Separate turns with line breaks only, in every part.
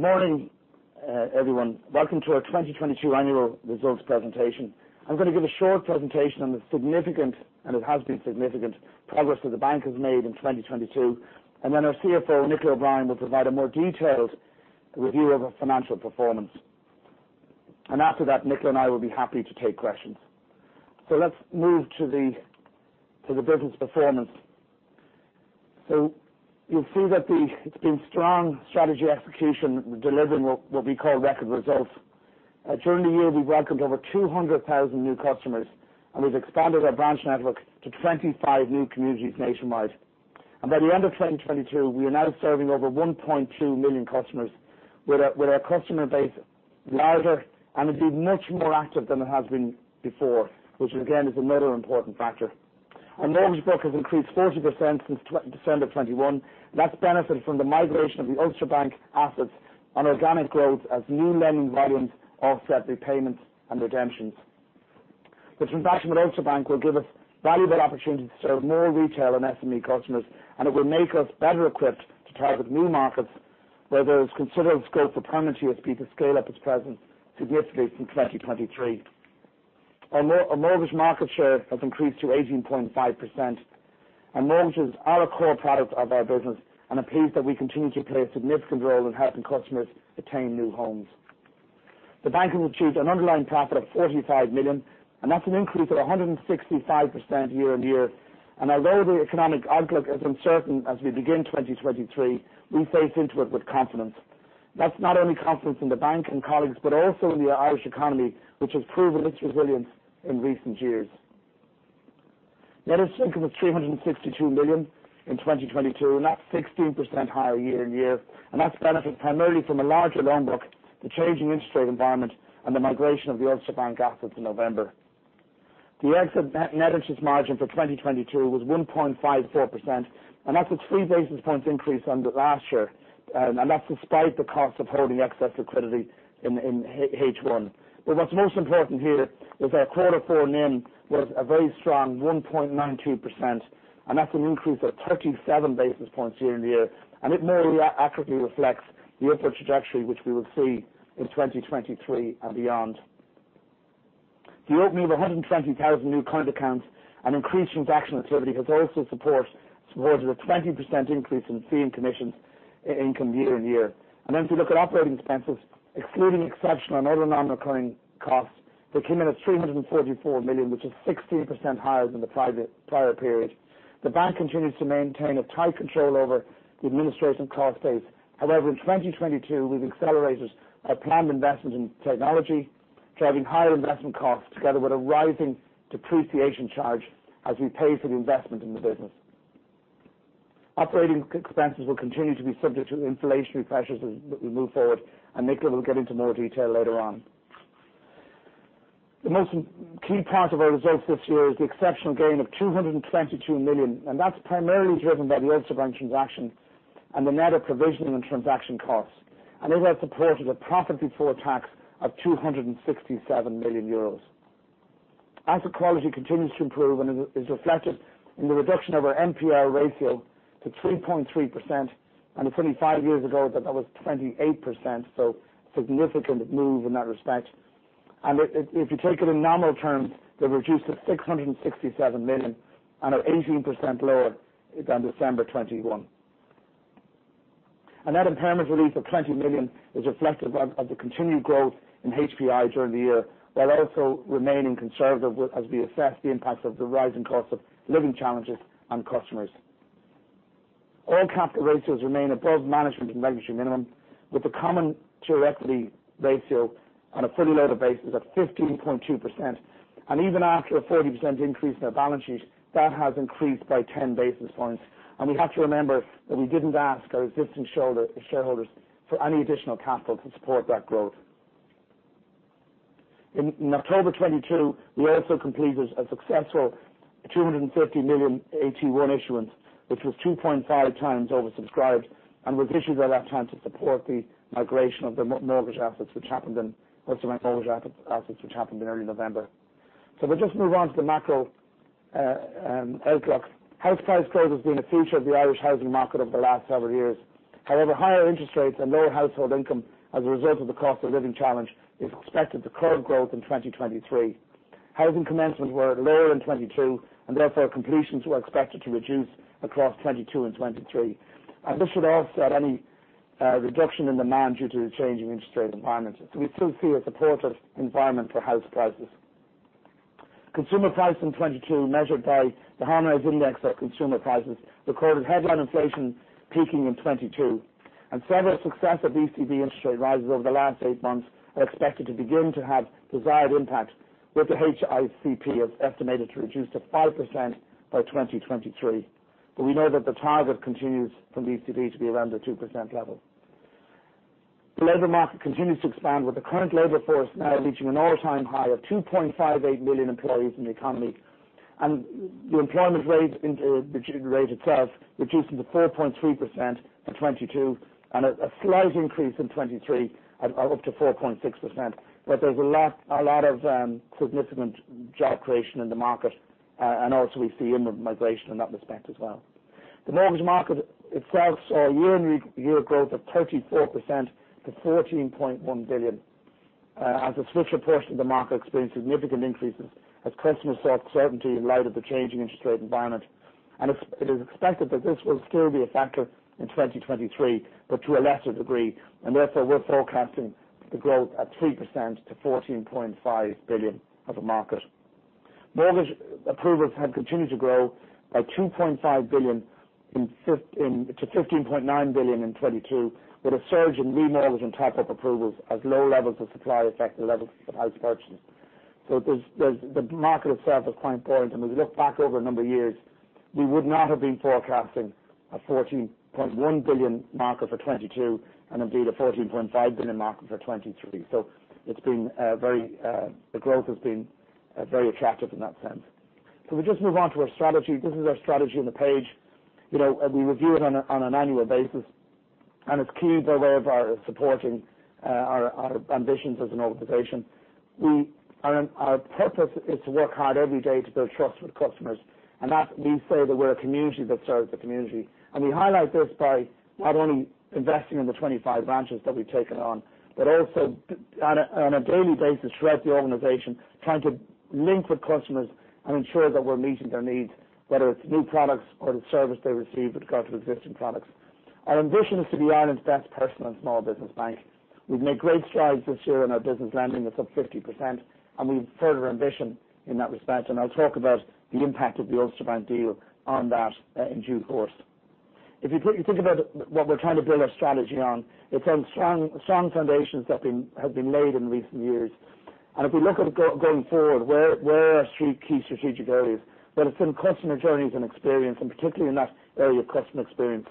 Good morning, everyone. Welcome to our 2022 Annual Results Presentation. I'm gonna give a short presentation on the significant, and it has been significant, progress that the bank has made in 2022, and then our CFO Nicola O'Brien will provide a more detailed review of our financial performance. After that, Nicola and I will be happy to take questions. Let's move to the business performance. You'll see that it's been strong strategy execution, delivering what we call record results. During the year, we've welcomed over 200,000 new customers, and we've expanded our branch network to 25 new communities nationwide. By the end of 2022, we are now serving over 1.2 million customers with our customer base larger and indeed much more active than it has been before, which, again, is another important factor. Our mortgage book has increased 40% since December of 2021. That's benefited from the migration of the Ulster Bank assets on organic growth as new lending volumes offset repayments and redemptions. The transaction with Ulster Bank will give us valuable opportunities to serve more Retail and SME customers, and it will make us better equipped to target new markets where there is considerable scope for Permanent TSB to scale up its presence significantly through 2023. Our mortgage market share has increased to 18.5%. Mortgages are a core product of our business, and I'm pleased that we continue to play a significant role in helping customers attain new homes. The bank has achieved an Underlying Profit of 45 million, and that's an increase of 165% year-on-year. Although the economic outlook is uncertain as we begin 2023, we face into it with confidence. That's not only confidence in the bank and colleagues, but also in the Irish economy, which has proven its resilience in recent years. Net interest income was EUR 362 million in 2022, and that's 16% higher year-on-year, and that's benefited primarily from a larger loan book, the changing interest rate environment, and the migration of the Ulster Bank assets in November. The Exit Net Interest Margin for 2022 was 1.54%, that's a three basis points increase on the last year. That's despite the cost of holding excess liquidity in H1. What's most important here is our Q4 NIM was a very strong 1.92%, that's an increase of 37 basis points year-on-year. It more accurately reflects the upward trajectory, which we will see in 2023 and beyond. The opening of 120,000 new current accounts and increased transaction activity has also supported a 20% increase in fee and commissions income year-on-year. If you look at operating expenses, excluding exceptional and other non-recurring costs, they came in at 344 million, which is 16% higher than the prior period. The bank continues to maintain a tight control over the administration cost base. However, in 2022, we've accelerated our planned investment in technology, driving higher investment costs together with a rising depreciation charge as we pay for the investment in the business. Operating expenses will continue to be subject to inflationary pressures as we move forward, and Nicola will get into more detail later on. The most key part of our results this year is the exceptional gain of 222 million, and that's primarily driven by the Ulster Bank transaction and the net of provisioning and transaction costs. It has supported a Profit Before Tax of 267 million euros. Asset quality continues to improve and is reflected in the reduction of our NPE ratio to 3.3%. It's only five years ago that that was 28%, so significant move in that respect. If you take it in nominal terms, they've reduced to 667 million and are 18% lower than December 2021. That impairment release of 20 million is reflective of the continued growth in HPI during the year, while also remaining conservative as we assess the impacts of the rising cost of living challenges on customers. All capital ratios remain above management and regulatory minimum, with the common tier equity ratio on a fully loaded basis at 15.2%. Even after a 40% increase in our balance sheet, that has increased by 10 basis points. We have to remember that we didn't ask our existing shareholders for any additional capital to support that growth. In October 2022, we also completed a successful 250 million AT1 issuance, which was 2.5 times oversubscribed and was issued at that time to support the migration of the mortgage assets which happened in most of our mortgage assets which happened in early November. We'll just move on to the macro outlook. House price growth has been a feature of the Irish housing market over the last several years. However, higher interest rates and lower household income as a result of the cost of living challenge is expected to curb growth in 2023. Housing commencements were lower in 2022, and therefore completions were expected to reduce across 2022 and 2023. This should offset any reduction in demand due to the changing interest rate environment. We still see a supportive environment for house prices. Consumer price in 2022, measured by the Harmonised Index of Consumer Prices, recorded headline inflation peaking in 2022. Several successive ECB interest rate rises over the last eight months are expected to begin to have desired impact, with the HICP estimated to reduce to 5% by 2023. We know that the target continues from the ECB to be around the 2% level. The labor market continues to expand, with the current labor force now reaching an all-time high of 2.58 million employees in the economy. The employment rate, the rate itself reducing to 4.3% in 2022, and a slight increase in 2023, up to 4.6%. There's a lot of significant job creation in the market, and also we see inward migration in that respect as well. The mortgage market itself saw a year-over-year growth of 34% to 14.1 billion, as a switch, a portion of the market experienced significant increases as customers sought certainty in light of the changing interest rate environment. It is expected that this will still be a factor in 2023, but to a lesser degree. Therefore, we're forecasting the growth at 3% to 14.5 billion of a market. Mortgage approvals have continued to grow by 2.5 billion to 15.9 billion in 2022, with a surge in remortgage and top-up approvals as low levels of supply affect the levels of house purchases. The market itself is quite important. We look back over a number of years, we would not have been forecasting a 14.1 billion market for 2022 and indeed a 14.5 billion market for 2023. It's been very, the growth has been very attractive in that sense. Can we just move on to our strategy? This is our strategy on the page. You know, we review it on an annual basis, it's key by way of our supporting our ambitions as an organization. Our purpose is to work hard every day to build trust with customers, that we say that we're a community that serves the community. We highlight this by not only investing in the 25 branches that we've taken on, but also on a daily basis throughout the organization, trying to link with customers and ensure that we're meeting their needs, whether it's new products or the service they receive with regard to existing products. Our ambition is to be Ireland's best personal and small business bank. We've made great strides this year in our business lending. It's up 50%, and we've further ambition in that respect, and I'll talk about the impact of the Ulster Bank deal on that in due course. If you think about what we're trying to build our strategy on, it's on strong foundations that have been laid in recent years. If we look at going forward, where are our three key strategic areas? Well, it's in customer journeys and experience, and particularly in that area of customer experience.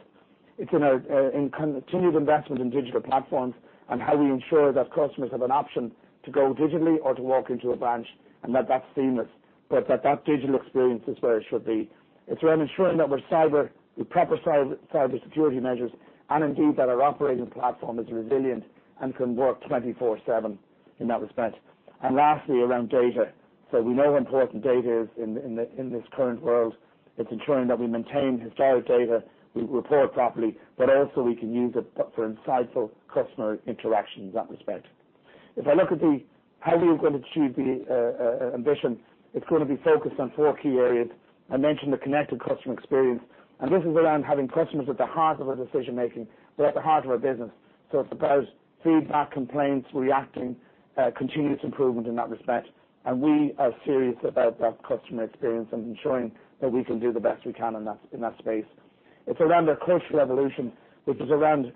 It's in our in continued investment in digital platforms and how we ensure that customers have an option to go digitally or to walk into a branch, and that's seamless. That digital experience is where it should be. It's around ensuring that we're with proper cybersecurity measures and indeed that our operating platform is resilient and can work 24/7 in that respect. Lastly, around data. We know how important data is in this current world. It's ensuring that we maintain historic data, we report properly, but also we can use it for insightful customer interaction in that respect. If I look at the how we are going to achieve the ambition, it's going to be focused on four key areas. I mentioned the connected customer experience. This is around having customers at the heart of our decision-making, they're at the heart of our business. It's about feedback, complaints, reacting, continuous improvement in that respect. We are serious about that customer experience and ensuring that we can do the best we can in that space. It's around a cultural evolution, which is around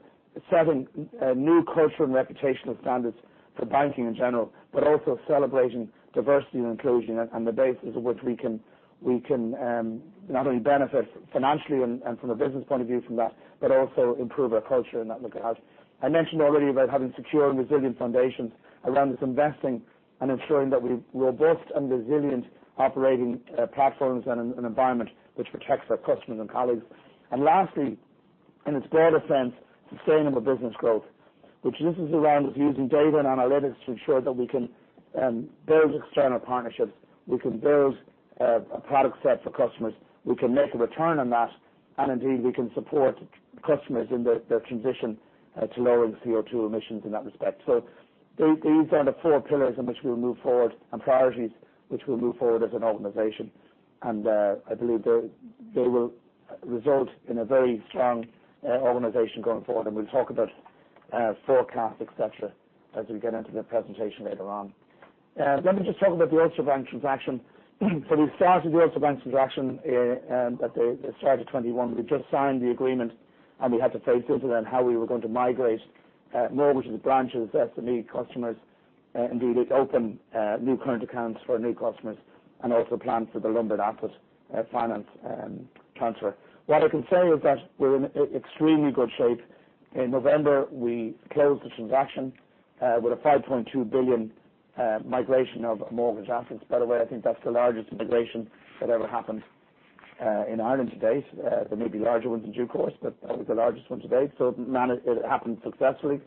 setting, new cultural and reputational standards for banking in general, but also celebrating diversity and inclusion and the basis of which we can, we can not only benefit financially and from a business point of view from that, but also improve our culture in that regard. I mentioned already about having secure and resilient foundations around us investing and ensuring that we've robust and resilient operating platforms and an environment which protects our customers and colleagues. Lastly, in its broader sense, sustainable business growth, which this is around us using data and analytics to ensure that we can build external partnerships, we can build a product set for customers, we can make a return on that, and indeed, we can support customers in their transition to lowering CO2 emissions in that respect. These are the four pillars in which we'll move forward and priorities which we'll move forward as an organization. I believe they will result in a very strong organization going forward. We'll talk about forecasts, et cetera, as we get into the presentation later on. Let me just talk about the Ulster Bank transaction. We started the Ulster Bank transaction at the start of 2021. We just signed the agreement. We had to face into then how we were going to migrate mortgage branches, SME customers, new current accounts for new customers and also plan for the Lombard Asset Finance transfer. What I can say is that we're in extremely good shape. In November, we closed the transaction with a 5.2 billion migration of mortgage assets. By the way, I think that's the largest integration that ever happened in Ireland to date. There may be larger ones in due course. That was the largest one to date. It happened successfully.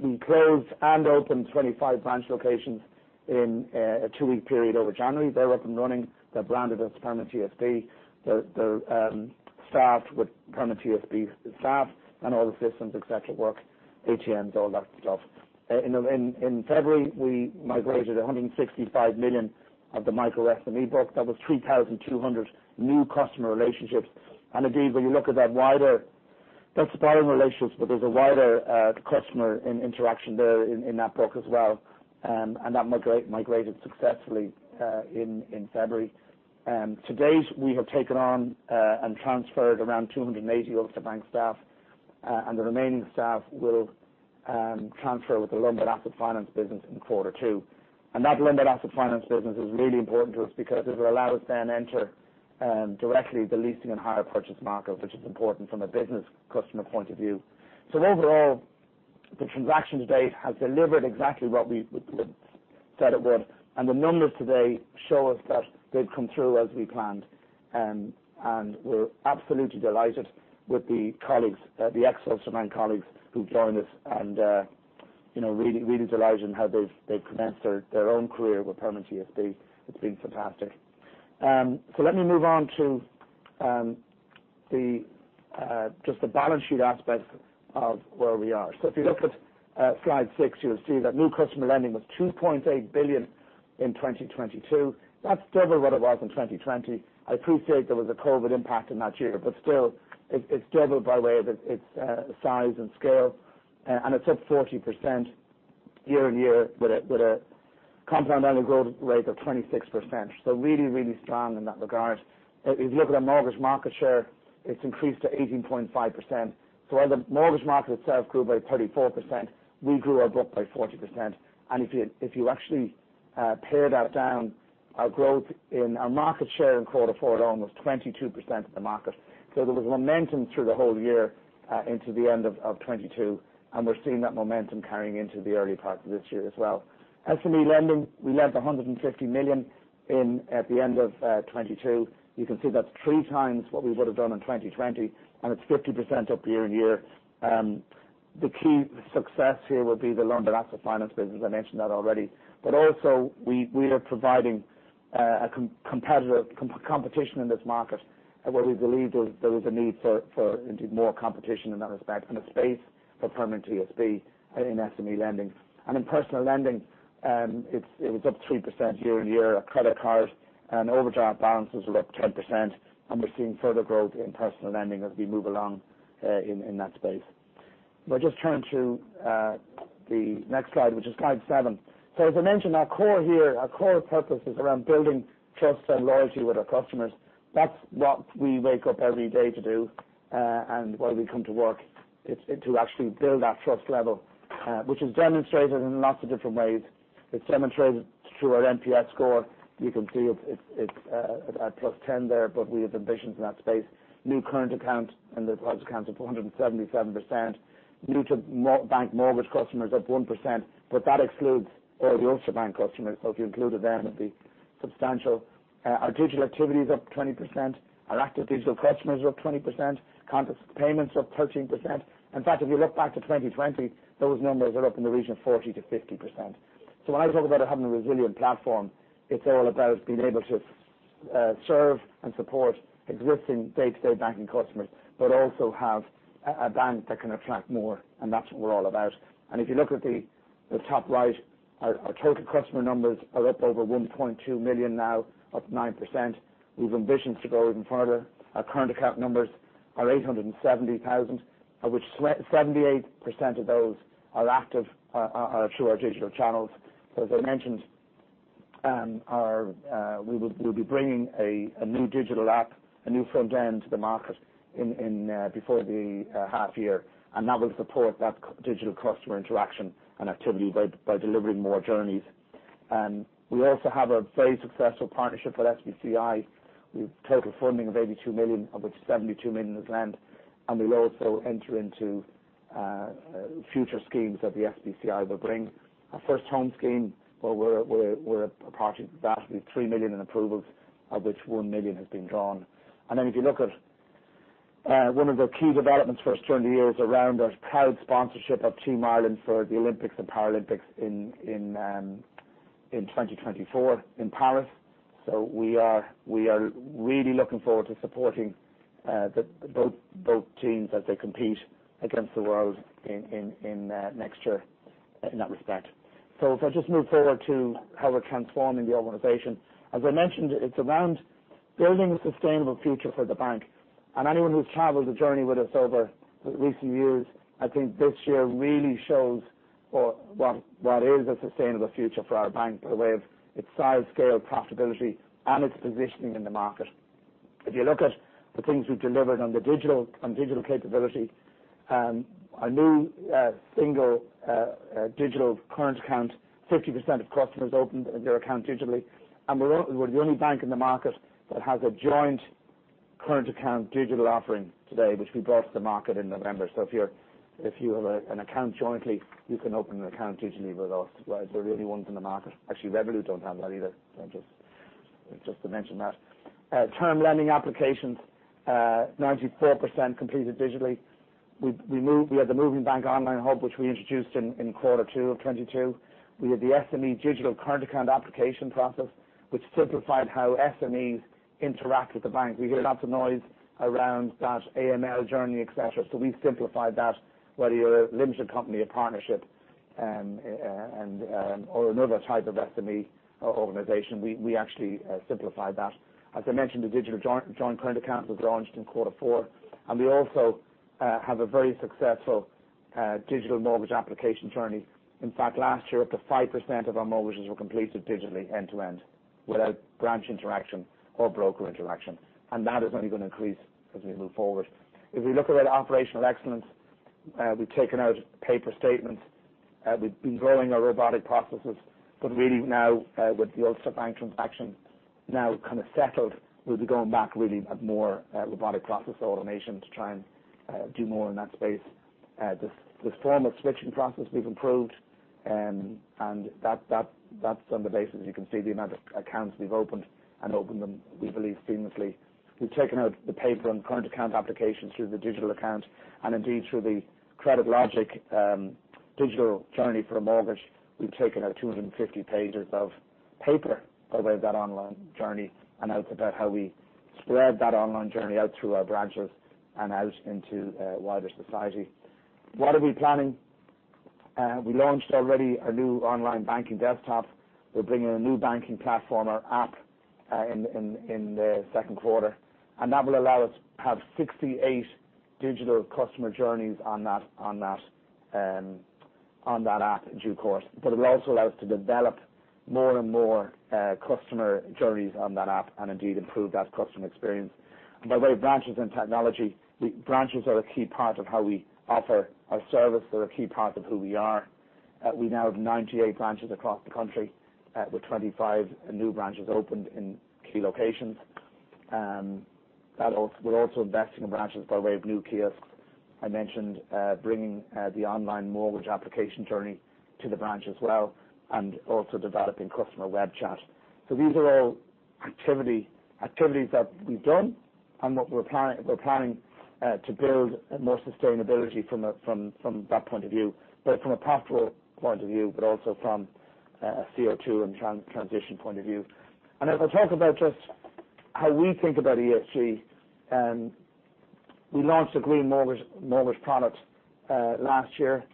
We closed and opened 25 branch locations in a 2-week period over January. They're up and running. They're branded as Permanent TSB. The staff with Permanent TSB staff and all the systems, et cetera, work, ATMs, all that stuff. In February, we migrated 165 million of the micro SME book. That was 3,200 new customer relationships. Indeed, when you look at that wider, that's borrowing relationships, but there's a wider customer in-interaction there in that book as well. And that migrated successfully in February. To date, we have taken on and transferred around 280 Ulster Bank staff, and the remaining staff will transfer with the Lombard Asset Finance business in quarter two. That Lombard Asset Finance business is really important to us because it will allow us then enter directly the leasing and hire purchase market, which is important from a business customer point of view. Overall, the transaction to date has delivered exactly what we would said it would, and the numbers today show us that they've come through as we planned. We're absolutely delighted with the colleagues, the ex-Ulster Bank colleagues who've joined us and, you know, really, really delighted in how they've commenced their own career with Permanent TSB. It's been fantastic. Let me move on to the just the balance sheet aspect of where we are. If you look at slide six, you'll see that new customer lending was 2.8 billion in 2022. That's double what it was in 2020. I appreciate there was a COVID impact in that year, but still it's doubled by way of its size and scale, and it's up 40% year-on-year with a compound annual growth rate of 26%. Really strong in that regard. If you look at our mortgage market share, it's increased to 18.5%. While the mortgage market itself grew by 34%, we grew our book by 40%. If you actually pare that down, our growth in our market share in quarter four alone was 22% of the market. There was momentum through the whole year into the end of 2022, and we're seeing that momentum carrying into the early part of this year as well. SME lending, we lent 150 million in, at the end of 2022. You can see that's 3x what we would have done in 2020, and it's 50% up year-on-year. The key success here will be the loan to Asset Finance business. I mentioned that already. Also we are providing a competitive competition in this market where we believe there is a need for indeed, more competition in that respect and a space for Permanent TSB in SME lending. In Personal Lending, it was up 3% year-on-year. Our credit card and overdraft balances were up 10%, and we're seeing further growth in Personal Lending as we move along in that space. If I just turn to the next slide, which is slide seven. As I mentioned, our core here, our core purpose is around building trust and loyalty with our customers. That's what we wake up every day to do, and why we come to work, it's to actually build that trust level, which is demonstrated in lots of different ways. It's demonstrated through our NPS score. You can see it's at +10 there, but we have ambitions in that space. New current account and the accounts up 477%. New to bank mortgage customers up 1%. That excludes all the Ulster Bank customers. If you included them, it'd be substantial. Our digital activity is up 20%. Our active digital customers are up 20%. Payments up 13%. In fact, if you look back to 2020, those numbers are up in the region of 40%-50%. When I talk about having a resilient platform, it's all about being able to serve and support existing day-to-day banking customers, but also have a bank that can attract more, and that's what we're all about. If you look at the top right, our total customer numbers are up over 1.2 million now, up 9%. We've ambitions to go even further. Our current account numbers are 870,000, of which 78% of those are active through our digital channels. As I mentioned, we'll be bringing a new digital app, a new front end to the market in before the half year, and that will support that digital customer interaction and activity by delivering more journeys. We also have a very successful partnership with SBCI. We've total funding of 82 million, of which 72 million is lent. We will also enter into future schemes that the SBCI will bring. Our First Home Scheme, well, we're approximately 3 million in approvals, of which 1 million has been drawn. If you look at one of our key developments for us during the year is around our proud sponsorship of Team Ireland for the Olympics and Paralympics in 2024 in Paris. We are really looking forward to supporting both teams as they compete against the world in next year in that respect. If I just move forward to how we're transforming the organization. As I mentioned, it's around building a sustainable future for the bank. Anyone who's traveled the journey with us over recent years, I think this year really shows what is a sustainable future for our bank by way of its size, scale, profitability, and its positioning in the market. If you look at the things we've delivered on digital capability, our new single digital current account, 50% of customers opened their account digitally. We're the only bank in the market that has a joint current account digital offering today, which we brought to the market in November. If you have an account jointly, you can open an account digitally with us. We're the only ones in the market. Actually, Revolut don't have that either. Just to mention that. Term lending applications, 94% completed digitally. We had the moving bank online hub, which we introduced in Q2 of 2022. We had the SME digital current account application process, which simplified how SMEs interact with the bank. We hear lots of noise around that AML journey, et cetera, we simplified that. Whether you're a limited company, a partnership, or another type of SME organization, we actually simplified that. As I mentioned, the digital joint current account was launched in quarter four. We also have a very successful digital mortgage application journey. In fact, last year up to 5% of our mortgages were completed digitally end to end without branch interaction or broker interaction. That is only going to increase as we move forward. If we look at our operational excellence, we've taken out paper statements, we've been growing our robotic processes. Really now, with the Ulster Bank transaction now kind of settled, we'll be going back really at more robotic process automation to try and do more in that space. This form of switching process we've improved, and that's on the basis you can see the amount of accounts we've opened and opened them, we believe seamlessly. We've taken out the paper and current account applications through the digital account and indeed through the CreditLogic digital journey for a mortgage. We've taken out 250 pages of paper by way of that online journey, and it's about how we spread that online journey out through our branches and out into wider society. What are we planning? We launched already a new online banking desktop. We're bringing a new banking platform or app in the second quarter. That will allow us to have 68 digital customer journeys on that, on that app in due course. It will also allow us to develop more and more customer journeys on that app and indeed improve that customer experience. By the way, branches and technology. Branches are a key part of how we offer our service. They're a key part of who we are. We now have 98 branches across the country, with 25 new branches opened in key locations. We're also investing in branches by way of new kiosks. I mentioned, bringing the online mortgage application journey to the branch as well, and also developing customer web chat. These are all activities that we've done and what we're planning to build more sustainability from that point of view, but from a profitable point of view, but also from a CO2 and transition point of view. If I talk about just how we think about ESG, we launched a Green Mortgage product last year,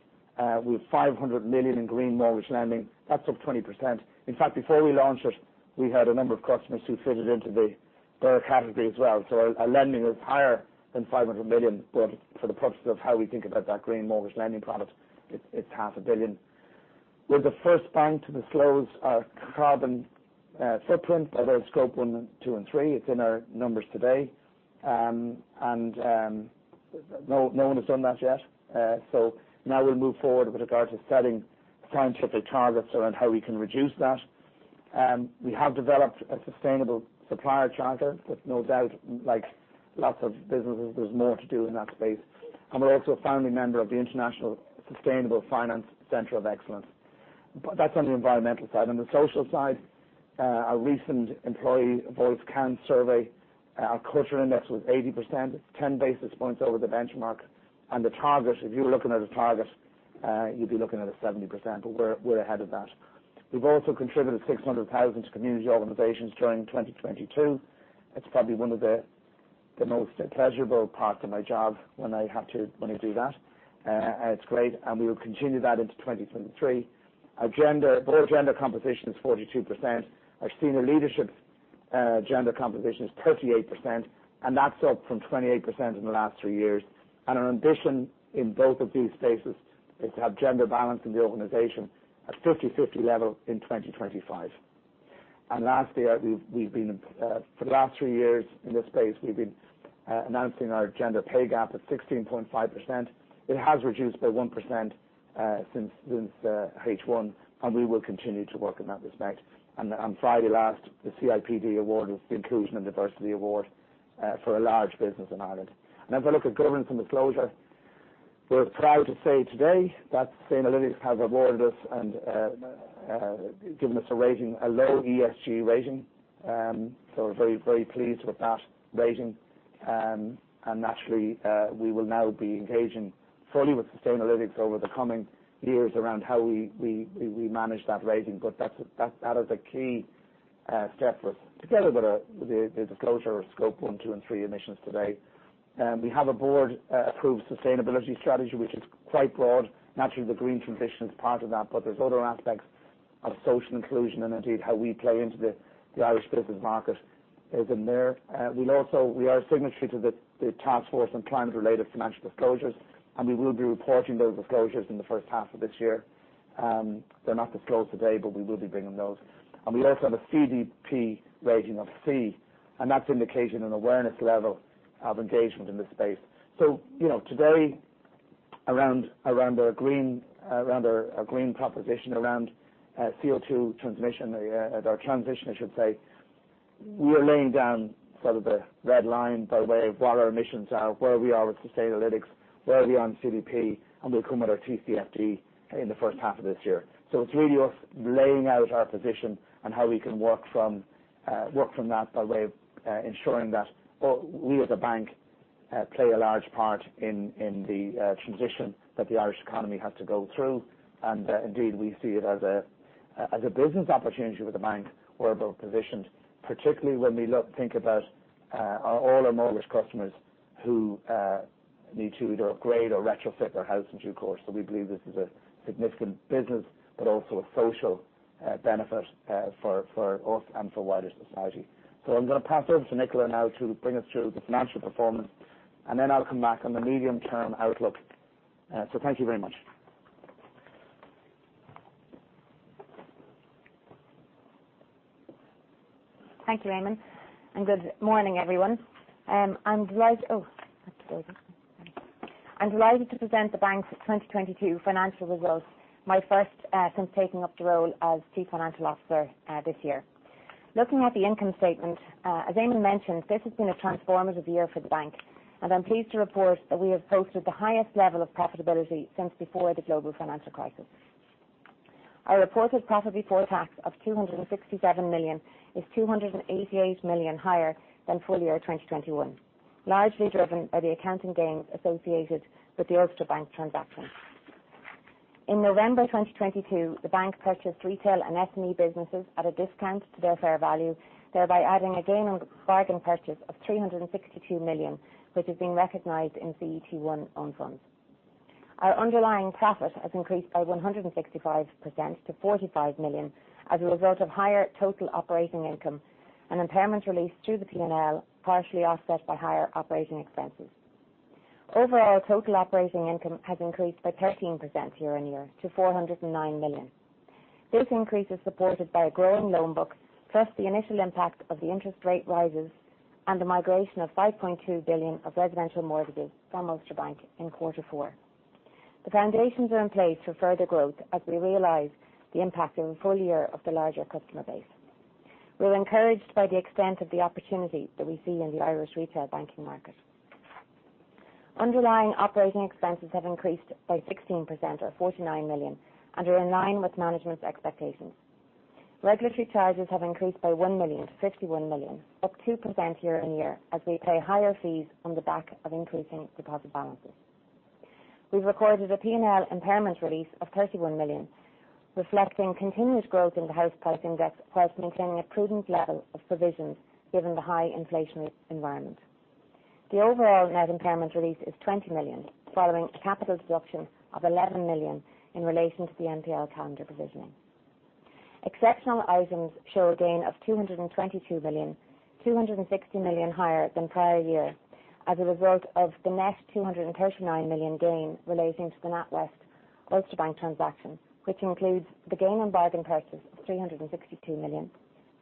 with 500 million in Green Mortgage lending. That's up 20%. In fact, before we launched it, we had a number of customers who fitted into the, their category as well. Our lending was higher than 500 million, but for the purposes of how we think about that Green Mortgage lending product, it's half a billion. We're the first bank to disclose our carbon footprint by way of Scope 1, 2, and 3. It's in our numbers today. No one has done that yet. Now we'll move forward with regard to setting scientific targets around how we can reduce that. We have developed a sustainable supplier charter with no doubt, like lots of businesses, there's more to do in that space. We're also a founding member of the International Sustainable Finance Centre of Excellence. That's on the environmental side. On the social side, our recent employee Voice Can survey, our culture index was 80%. It's 10 basis points over the benchmark. The target, if you were looking at a target, you'd be looking at a 70%, but we're ahead of that. We've also contributed 600,000 to community organizations during 2022. It's probably one of the most pleasurable parts of my job when I do that. It's great, we will continue that into 2023. Our board gender composition is 42%. Our senior leadership gender composition is 38%, and that's up from 28% in the last three years. Our ambition in both of these spaces is to have gender balance in the organization at 50/50 level in 2025. Lastly, we've been for the last three years in this space, we've been announcing our gender pay gap at 16.5%. It has reduced by 1% since H1, we will continue to work in that respect. On Friday last, the CIPD Award was the Inclusion and Diversity Award for a large business in Ireland. If I look at governance and disclosure, we're proud to say today that Sustainalytics has awarded us and given us a rating, a low ESG rating. We're very, very pleased with that rating. Naturally, we will now be engaging fully with Sustainalytics over the coming years around how we manage that rating. That's a key step for us together with the disclosure of Scope 1, 2, and 3 emissions today. We have a board approved sustainability strategy, which is quite broad. Naturally, the green transition is part of that, but there's other aspects of social inclusion and indeed how we play into the Irish business market is in there. We are a signatory to the Task Force on Climate-related Financial Disclosures. We will be reporting those disclosures in the first half of this year. They're not disclosed today, but we will be bringing those. We also have a CDP rating of C, and that's indication and awareness level of engagement in this space. You know, today, around our green proposition, around CO2 transition, I should say, we are laying down sort of the red line by way of what our emissions are, where we are with Sustainalytics, where are we on CDP, and we'll come with our TCFD in the first half of this year. It's really us laying out our position on how we can work from that by way of ensuring that we, as a bank, play a large part in the transition that the Irish economy has to go through. Indeed, we see it as a business opportunity with the bank. We're both positioned, particularly when we think about all our mortgage customers who need to either upgrade or retrofit their house in due course. We believe this is a significant business, but also a social benefit for us and for wider society. I'm gonna pass over to Nicola now to bring us through the financial performance, and then I'll come back on the medium-term outlook. Thank you very much.
Thank you, Eamonn. Good morning, everyone. I'm delighted to present the bank's 2022 financial results, my first since taking up the role as Chief Financial Officer this year. Looking at the income statement, as Eamonn mentioned, this has been a transformative year for the bank. I'm pleased to report that we have posted the highest level of profitability since before the global financial crisis. Our reported Profit Before Tax of 267 million is 288 million higher than full year 2021, largely driven by the accounting gains associated with the Ulster Bank transaction. In November 2022, the bank purchased Retail and SME businesses at a discount to their fair value, thereby adding a gain on the bargain purchase of 362 million, which is being recognized in CET1 own funds. Our Underlying Profit has increased by 165% to 45 million as a result of higher total operating income and impairment release through the P&L, partially offset by higher operating expenses. Overall, total operating income has increased by 13% year-on-year to 409 million. This increase is supported by a growing loan book, plus the initial impact of the interest rate rises and the migration of 5.2 billion of residential mortgages from Ulster Bank in quarter four. The foundations are in place for further growth as we realize the impact of a full year of the larger customer base. We're encouraged by the extent of the opportunity that we see in the Irish retail banking market. Underlying operating expenses have increased by 16% or 49 million and are in line with management's expectations. Regulatory charges have increased by 1 million to 51 million, up 2% year-on-year as we pay higher fees on the back of increasing deposit balances. We've recorded a P&L impairment release of 31 million, reflecting continuous growth in the house price index whilst maintaining a prudent level of provisions given the high inflationary environment. The overall net impairment release is 20 million following capital deduction of 11 million in relation to the NPL calendar provisioning. Exceptional items show a gain of 222 million, 260 million higher than prior year as a result of the net 239 million gain relating to the NatWest Ulster Bank transaction, which includes the gain on bargain purchase of 362 million,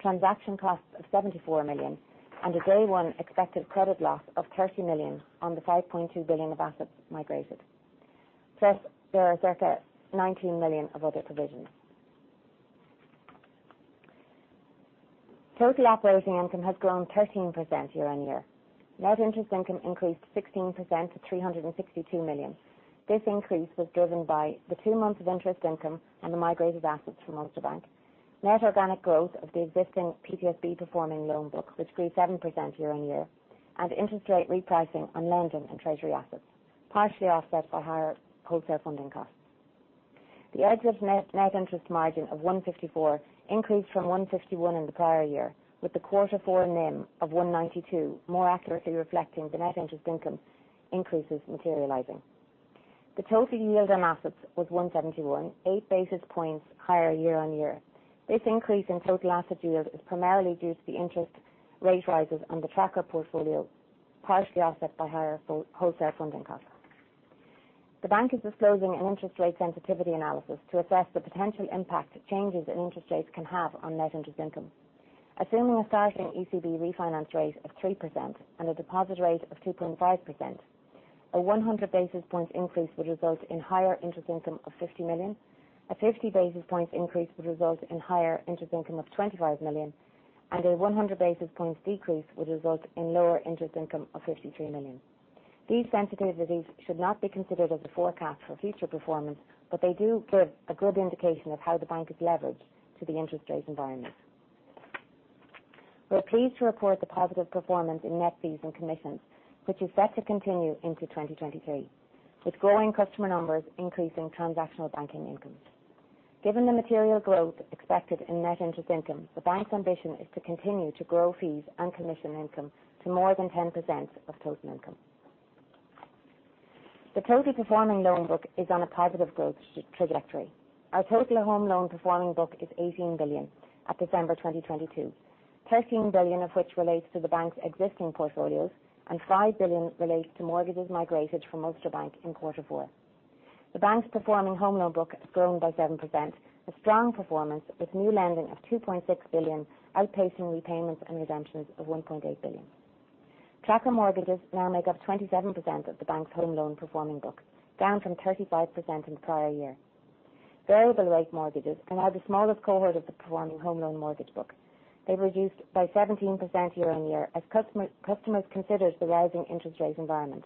transaction costs of 74 million, and a day one expected credit loss of 30 million on the 5.2 billion of assets migrated. There are circa 19 million of other provisions. Total operating income has grown 13% year-on-year. Net interest income increased 16% to 362 million. This increase was driven by the two months of interest income on the migrated assets from Ulster Bank, net organic growth of the existing PTSB performing loan book, which grew 7% year-on-year, and interest rate repricing on lending and treasury assets, partially offset by higher wholesale funding costs. Net interest margin of 1.54% increased from 1.51% in the prior year, with the quarter four NIM of 1.92% more accurately reflecting the net interest income increases materializing. The total yield on assets was 1.71%, 8 basis points higher year-on-year. This increase in total asset yield is primarily due to the interest rate rises on the tracker portfolio, partially offset by higher wholesale funding costs. The bank is disclosing an interest rate sensitivity analysis to assess the potential impact changes in interest rates can have on net interest income. Assuming a starting ECB refinance rate of 3% and a deposit rate of 2.5%, a 100 basis points increase would result in higher interest income of 50 million. A 50 basis points increase would result in higher interest income of 25 million. A 100 basis points decrease would result in lower interest income of 53 million. These sensitivities should not be considered as a forecast for future performance. They do give a good indication of how the bank is leveraged to the interest rate environment. We're pleased to report the positive performance in net fees and commissions, which is set to continue into 2023, with growing customer numbers increasing transactional banking incomes. Given the material growth expected in net interest income, the bank's ambition is to continue to grow fees and commission income to more than 10% of total income. The total performing loan book is on a positive growth trajectory. Our total home loan performing book is 18 billion at December 2022, 13 billion of which relates to the bank's existing portfolios and 5 billion relates to mortgages migrated from Ulster Bank in quarter four. The bank's performing home loan book has grown by 7%, a strong performance with new lending of 2.6 billion, outpacing repayments and redemptions of 1.8 billion. Tracker mortgages now make up 27% of the bank's home loan performing book, down from 35% in the prior year. Variable rate mortgages are now the smallest cohort of the performing home loan mortgage book. They reduced by 17% year-on-year as customers considered the rising interest rate environment.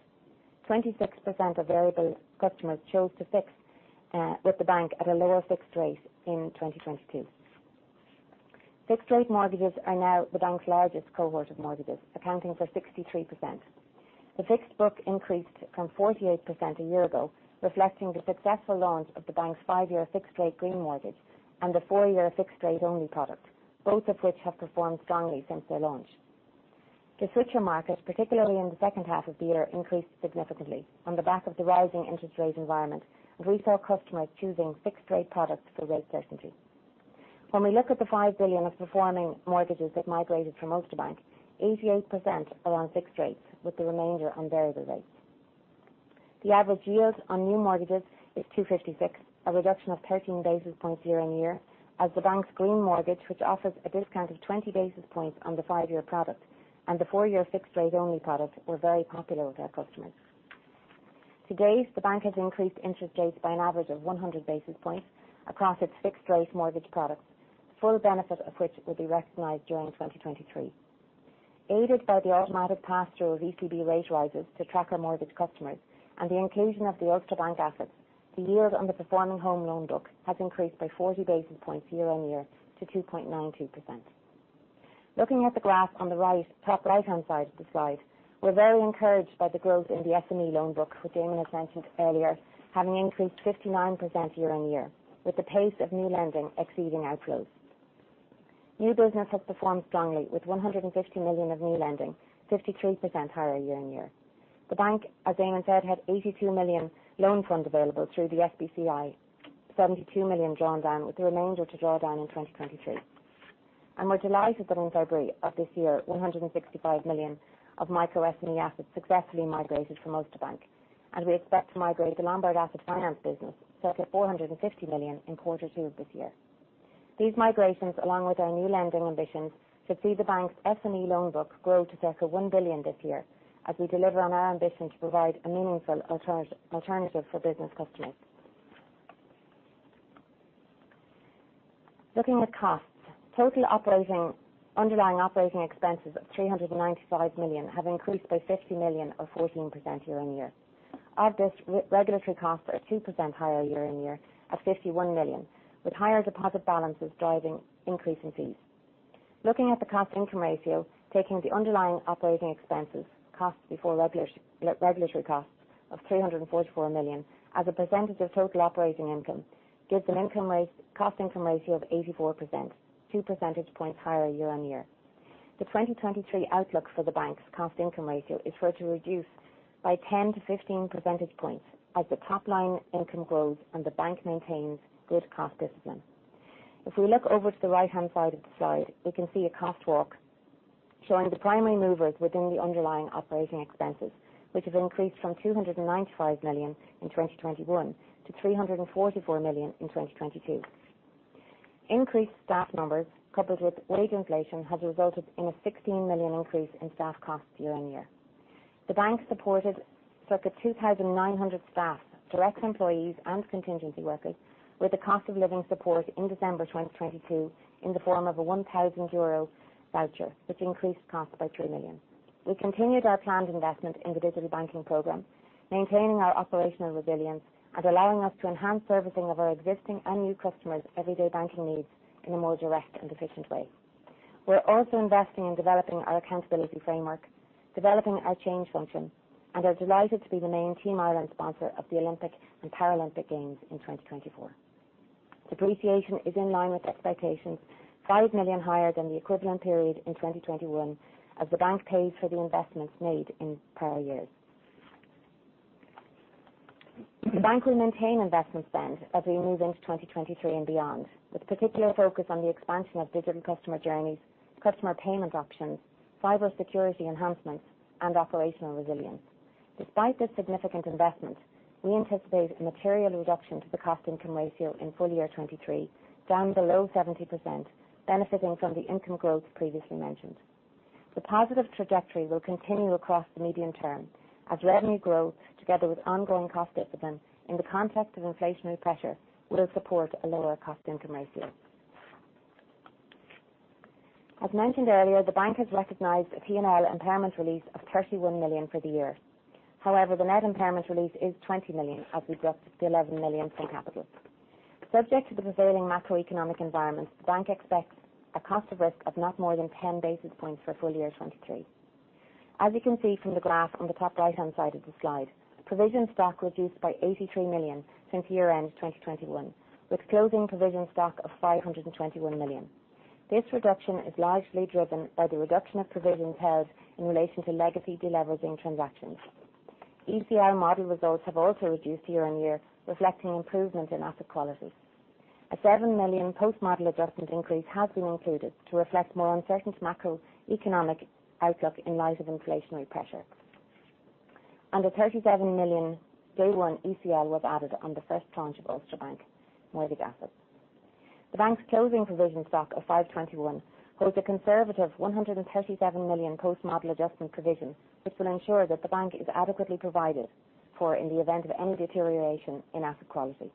26% of variable customers chose to fix with the bank at a lower fixed rate in 2022. Fixed rate mortgages are now the bank's largest cohort of mortgages, accounting for 63%. The fixed book increased from 48% a year ago, reflecting the successful launch of the bank's 5-Year Fixed Rate Green Mortgage and the Four-Year Fixed Rate Only product, both of which have performed strongly since their launch. The switcher market, particularly in the second half of the year, increased significantly on the back of the rising interest rate environment. We saw customers choosing fixed rate products for rate certainty. When we look at the 5 billion of performing mortgages that migrated from Ulster Bank, 88% are on fixed rates, with the remainder on variable rates. The average yield on new mortgages is 2.56%, a reduction of 13 basis points year-on-year as the bank's Green Mortgage, which offers a discount of 20 basis points on the five-year product, and the four-year fixed rate only product were very popular with our customers. To date, the bank has increased interest rates by an average of 100 basis points across its fixed rate mortgage products, the full benefit of which will be recognized during 2023. Aided by the automatic pass-through of ECB rate rises to tracker mortgage customers and the inclusion of the Ulster Bank assets, the yield on the performing home loan book has increased by 40 basis points year-on-year to 2.92%. Looking at the graph on the right, top right-hand side of the slide, we're very encouraged by the growth in the SME loan book, which Damian has mentioned earlier, having increased 59% year-on-year, with the pace of new lending exceeding outflows. New business has performed strongly with 150 million of new lending, 53% higher year-on-year. The bank, as Damian said, had 82 million loan funds available through the SBCI. 72 million drawn down, with the remainder to draw down in 2023. We're delighted that in February of this year, 165 million of micro SME assets successfully migrated from Ulster Bank, and we expect to migrate the Lombard Asset Finance business, circa 450 million, in quarter two of this year. These migrations, along with our new lending ambitions, should see the bank's SME loan book grow to circa 1 billion this year as we deliver on our ambition to provide a meaningful alternative for business customers. Looking at costs. Underlying operating expenses of 395 million have increased by 50 million or 14% year-on-year. Of this, regulatory costs are 2% higher year-on-year at 51 million, with higher deposit balances driving increase in fees. Looking at the Cost-to-income ratio, taking the underlying operating expenses, costs before regulatory costs of 344 million as a percentage of total operating income, gives a Cost-to-income ratio of 84%, two percentage points higher year-on-year. The 2023 outlook for the bank's Cost-to-income ratio is for it to reduce by 10-15 percentage points as the top line income grows and the bank maintains good cost discipline. If we look over to the right-hand side of the slide, we can see a cost walk showing the primary movers within the underlying operating expenses, which have increased from 295 million in 2021 to 344 million in 2022. Increased staff numbers, coupled with wage inflation, has resulted in a 16 million increase in staff costs year-on-year. The bank supported circa 2,900 staff, direct employees and contingency workers, with a cost of living support in December 2022 in the form of a 1,000 euro voucher, which increased costs by 3 million. We continued our planned investment in the digital banking program, maintaining our operational resilience and allowing us to enhance servicing of our existing and new customers' everyday banking needs in a more direct and efficient way. We're also investing in developing our accountability framework, developing our change function, and are delighted to be the main Team Ireland sponsor of the Olympic and Paralympic Games in 2024. Depreciation is in line with expectations, 5 million higher than the equivalent period in 2021 as the bank pays for the investments made in prior years. The bank will maintain investment spend as we move into 2023 and beyond, with particular focus on the expansion of digital customer journeys, customer payment options, cyber security enhancements, and operational resilience. Despite this significant investment, we anticipate a material reduction to the Cost-to-income ratio in full year 23, down below 70%, benefiting from the income growth previously mentioned. The positive trajectory will continue across the medium term as revenue growth, together with ongoing cost discipline in the context of inflationary pressure, will support a lower Cost-to-income ratio. As mentioned earlier, the bank has recognized a P&L impairment release of 31 million for the year. However, the net impairment release is 20 million, as we dropped the 11 million from capital. Subject to the prevailing macroeconomic environment, the bank expects a cost of risk of not more than 10 basis points for full year 2023. As you can see from the graph on the top right-hand side of the slide, provision stock reduced by 83 million since year-end 2021, with closing provision stock of 521 million. This reduction is largely driven by the reduction of provisions held in relation to legacy deleveraging transactions. ECR model results have also reduced year-on-year, reflecting improvement in asset quality. A 7 million post-model adjustment increase has been included to reflect more uncertain macroeconomic outlook in light of inflationary pressure. A 37 million day one ECL was added on the first tranche of Ulster Bank mortgage assets. The bank's closing provision stock of 521 holds a conservative 137 million post-model adjustment provision, which will ensure that the bank is adequately provided for in the event of any deterioration in asset quality.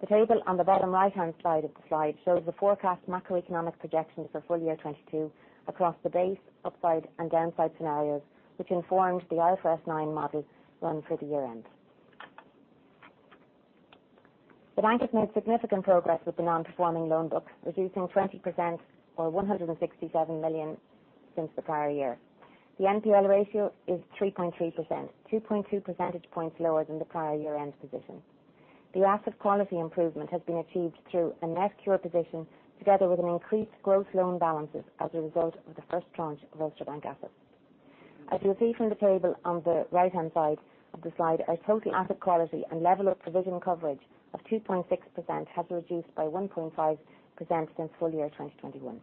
The table on the bottom right-hand side of the slide shows the forecast macroeconomic projections for full year 2022 across the base, upside, and downside scenarios, which informed the IFRS 9 model run for the year-end. The bank has made significant progress with the non-performing loan book, reducing 20% or 167 million since the prior year. The NPL Ratio is 3.3%, 2.2 percentage points lower than the prior year-end position. The asset quality improvement has been achieved through a net cure position, together with an increased growth loan balances as a result of the first tranche of Ulster Bank assets. You'll see from the table on the right-hand side of the slide, our total asset quality and level of provision coverage of 2.6% has reduced by 1.5% since full year 2021.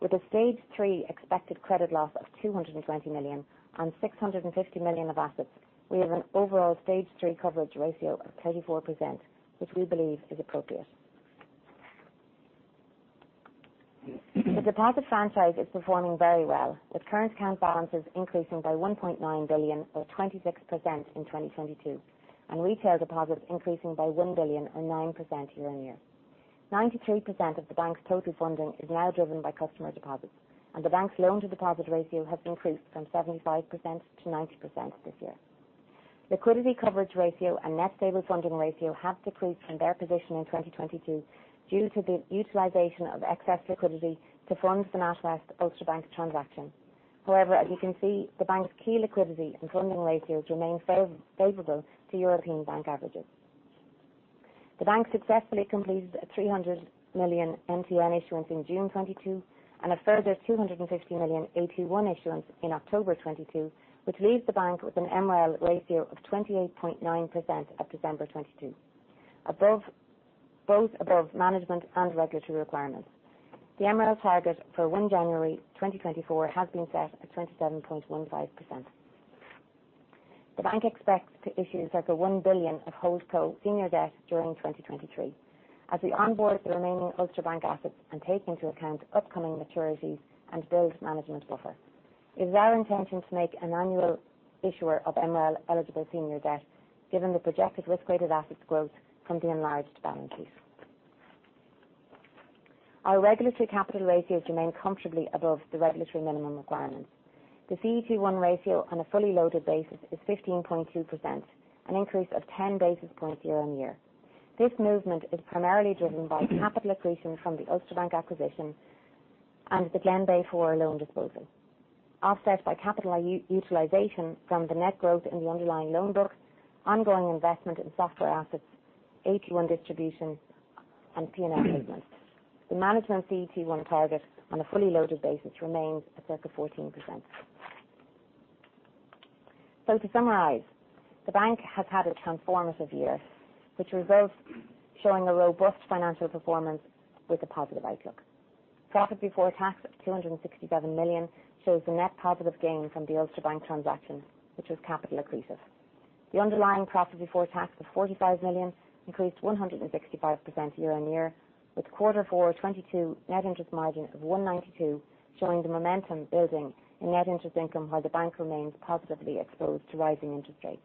With a Stage 3 Expected Credit Loss of 220 million on 650 million of assets, we have an overall Stage 3 coverage ratio of 34%, which we believe is appropriate. The deposit franchise is performing very well, with current account balances increasing by 1.9 billion or 26% in 2022, and retail deposits increasing by 1 billion or 9% year-on-year. 93% of the bank's total funding is now driven by customer deposits, the bank's loan-to-deposit ratio has increased from 75% to 90% this year. Liquidity Coverage Ratio and Net Stable Funding Ratio have decreased from their position in 2022 due to the utilization of excess liquidity to fund the NatWest-Ulster Bank transaction. As you can see, the bank's key liquidity and funding ratios remain favorable to European Bank averages. The bank successfully completed a 300 million MTN issuance in June 2022 and a further 250 million AT1 issuance in October 2022, which leaves the bank with an MREL ratio of 28.9% at December 2022. Both above management and regulatory requirements. The MREL target for January 1, 2024 has been set at 27.15%. The bank expects to issue circa 1 billion of HoldCo Senior Debt during 2023 as we onboard the remaining Ulster Bank assets and take into account upcoming maturities and build management buffer. It is our intention to make an annual issuer of MREL eligible senior debt, given the projected risk-weighted assets growth from the enlarged balance sheet. Our regulatory capital ratios remain comfortably above the regulatory minimum requirements. The CET1 ratio on a fully loaded basis is 15.2%, an increase of 10 basis points year-on-year. This movement is primarily driven by capital accretion from the Ulster Bank acquisition and the Glenbeigh IV loan disposal, offset by capital utilization from the net growth in the underlying loan book, ongoing investment in software assets, AT1 distribution and P&L payments. The management CET1 target on a fully loaded basis remains at circa 14%. To summarize, the bank has had a transformative year, which results showing a robust financial performance with a positive outlook. Profit Before Tax of 267 million shows the net positive gain from the Ulster Bank transaction, which was capital accretive. The Underlying Profit Before Tax of 45 million increased 165% year-on-year, with Q4 2022 Net Interest Margin of 1.92%, showing the momentum building in net interest income, while the bank remains positively exposed to rising interest rates.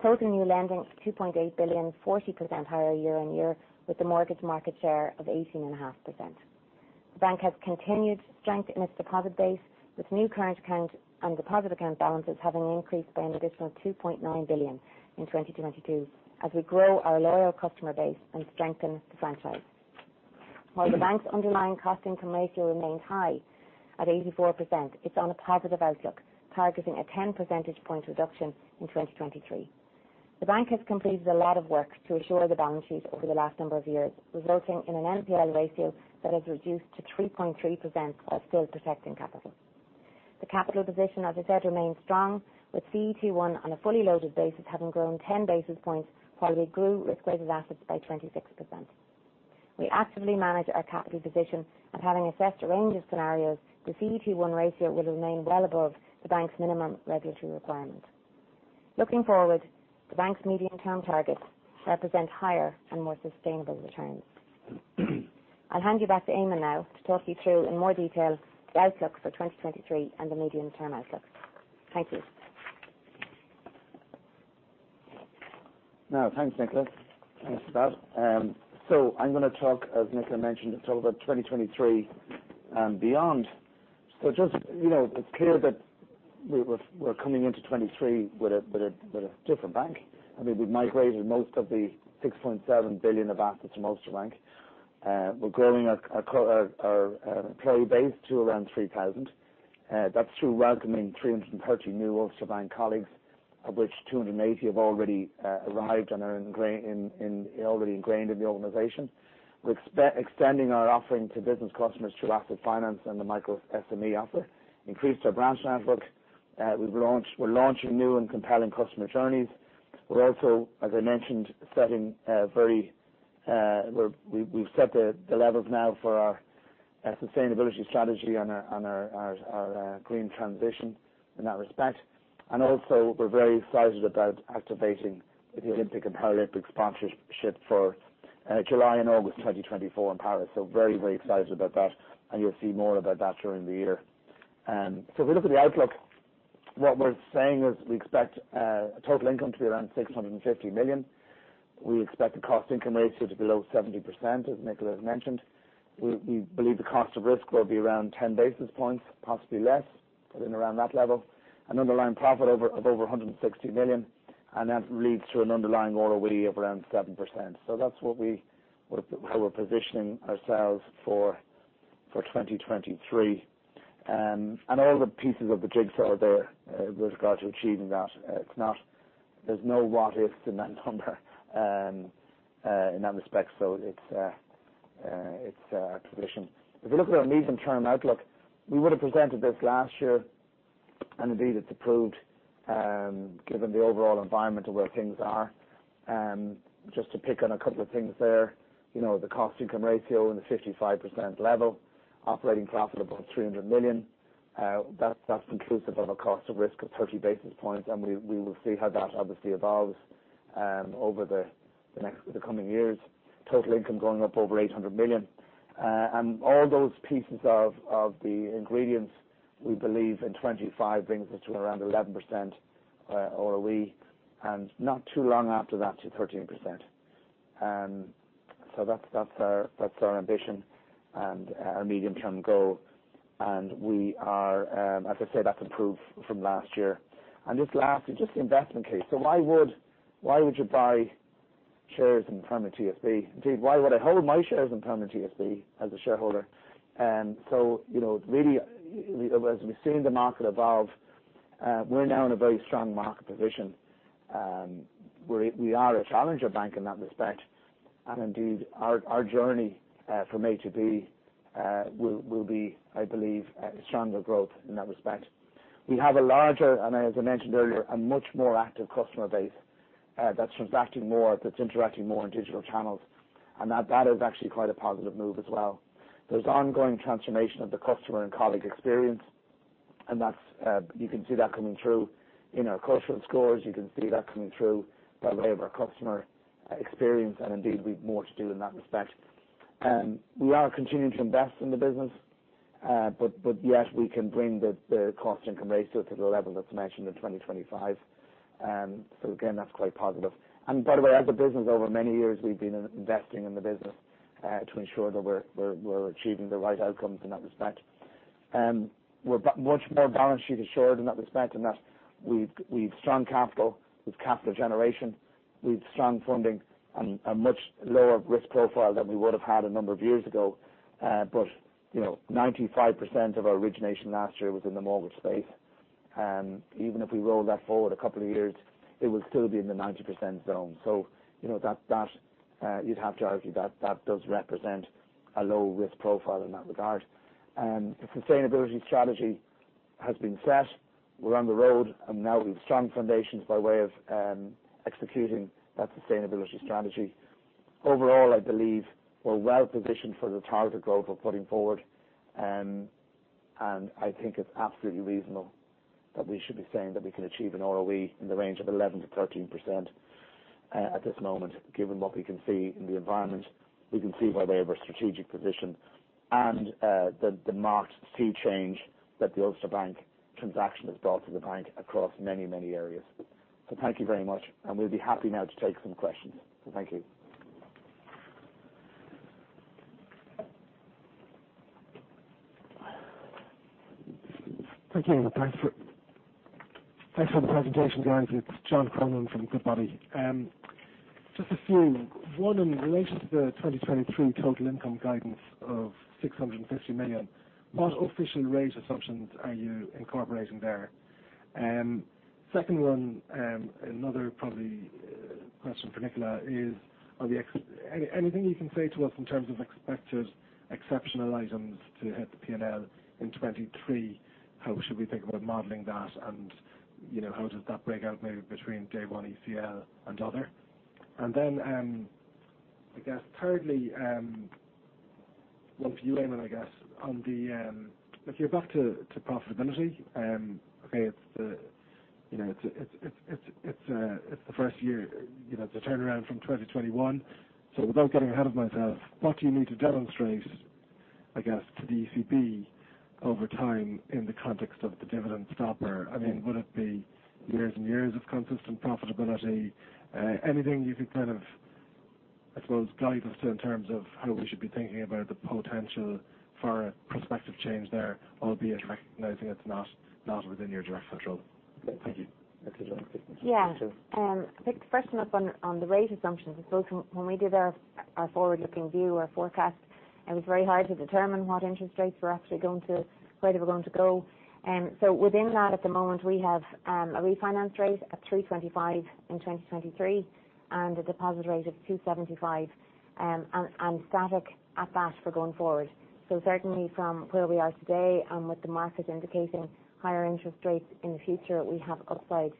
Total new lending of 2.8 billion, 40% higher year-on-year, with the mortgage market share of 18.5%. The bank has continued strength in its deposit base, with new current account and deposit account balances having increased by an additional 2.9 billion in 2022 as we grow our loyal customer base and strengthen the franchise. While the bank's underlying cost-to-income ratio remains high at 84%, it's on a positive outlook, targeting a 10-percentage-point reduction in 2023. The bank has completed a lot of work to assure the balance sheet over the last number of years, resulting in an NPL Ratio that has reduced to 3.3% while still protecting capital. The capital position, as I said, remains strong, with CET1 on a fully loaded basis, having grown 10 basis points while we grew risk-weighted assets by 26%. We actively manage our capital position and having assessed a range of scenarios, the CET1 ratio will remain well above the bank's minimum regulatory requirement. Looking forward, the bank's medium-term targets represent higher and more sustainable returns. I'll hand you back to Eamonn now to talk you through in more detail the outlook for 2023 and the medium-term outlook. Thank you.
Thanks, Nicola. Thanks for that. I'm going to talk, as Nicola mentioned, it's all about 2023 beyond. Just, you know, it's clear that we're coming into 23 with a different bank. I mean, we've migrated most of the 6.7 billion of assets from Ulster Bank. We're growing our employee base to around 3,000. That's through welcoming 330 new Ulster Bank colleagues, of which 280 have already arrived and are already ingrained in the organization. We're extending our offering to business customers through Asset Finance and the Micro SME offer, increased our branch network. We're launching new and compelling customer journeys. We're also, as I mentioned, we've set the levels now for our sustainability strategy on our green transition in that respect. Also we're very excited about activating the Olympic and Paralympic sponsorship for July and August 2024 in Paris. Very excited about that, and you'll see more about that during the year. If we look at the outlook, what we're saying is we expect total income to be around 650 million. We expect the Cost-to-income ratio to be below 70%, as Nicola has mentioned. We believe the cost of risk will be around 10 basis points, possibly less, but in around that level, an Underlying Profit of over 160 million. That leads to an underlying ROE of around 7%. That's what we're positioning ourselves for 2023. All the pieces of the jigsaw are there with regard to achieving that. There's no what-ifs in that number in that respect. It's positioned. If you look at our medium-term outlook, we would have presented this last year, indeed it's approved, given the overall environment of where things are. Just to pick on a couple of things there, you know, the cost income ratio in the 55% level, operating profit above 300 million, that's inclusive of a cost of risk of 30 basis points. We will see how that obviously evolves over the coming years. Total income going up over 800 million. All those pieces of the ingredients, we believe in 25 brings us to around 11%, ROE, and not too long after that to 13%. That's our ambition and our medium-term goal. We are, as I say, that's improved from last year. Just lastly, just the investment case. Why would you buy shares in Permanent TSB? Indeed, why would I hold my shares in Permanent TSB as a shareholder? You know, really, as we've seen the market evolve, we're now in a very strong market position. We are a challenger bank in that respect, and indeed, our journey, from A to B, will be, I believe, stronger growth in that respect. We have a larger, and as I mentioned earlier, a much more active customer base, that's transacting more, that's interacting more in digital channels, and that is actually quite a positive move as well. There's ongoing transformation of the customer and colleague experience, and that's, you can see that coming through in our cultural scores. You can see that coming through by way of our customer experience, and indeed we've more to do in that respect. We are continuing to invest in the business, but yet we can bring the Cost-to-income ratio to the level that's mentioned in 2025. Again, that's quite positive. By the way, as a business, over many years we've been investing in the business, to ensure that we're achieving the right outcomes in that respect. We're but much more balance sheet assured in that respect, in that we've strong capital with capital generation. We've strong funding and a much lower risk profile than we would've had a number of years ago. But, you know, 95% of our origination last year was in the mortgage space. Even if we roll that forward a couple of years, it will still be in the 90% zone. You know that, you'd have to argue that that does represent a low-risk profile in that regard. The sustainability strategy has been set. We're on the road, and now we've strong foundations by way of executing that sustainability strategy. Overall, I believe we're well positioned for the targeted growth we're putting forward. I think it's absolutely reasonable that we should be saying that we can achieve an ROE in the range of 11%-13% at this moment, given what we can see in the environment. We can see by way of our strategic position and the marked sea change that the Ulster Bank transaction has brought to the bank across many, many areas. Thank you very much, and we'll be happy now to take some questions. Thank you.
Thank you. Thanks for the presentation, guys. It's John Cronin from Goodbody. Just a few. One, in relation to the 2023 total income guidance of 650 million, what official rate assumptions are you incorporating there? Second one, another probably question for Nicola is, are any, anything you can say to us in terms of expected Exceptional Items to hit the P&L in 2023? How should we think about modeling that? You know, how does that break out maybe between day one ECL and other? I guess thirdly, one for you, Eamonn, I guess on the, if you're back to profitability, okay, it's the, you know, it's, it's, it's the first year, you know, it's a turnaround from 2021. Without getting ahead of myself, what do you need to demonstrate, I guess, to the ECB over time in the context of the dividend stopper? I mean, would it be years and years of consistent profitability? Anything you can kind of, I suppose, guide us to in terms of how we should be thinking about the potential for a prospective change there, albeit recognizing it's not within your direct control. Thank you.
Okay, John.
Yeah. I think the first one up on the rate assumptions, I suppose when we did our forward-looking view, our forecast, it was very hard to determine what interest rates were actually going to where they were going to go. Within that, at the moment, we have a refinance rate of 3.25% in 2023 and a deposit rate of 2.75%, and static at that for going forward. Certainly from where we are today and with the market indicating higher interest rates in the future, we have upside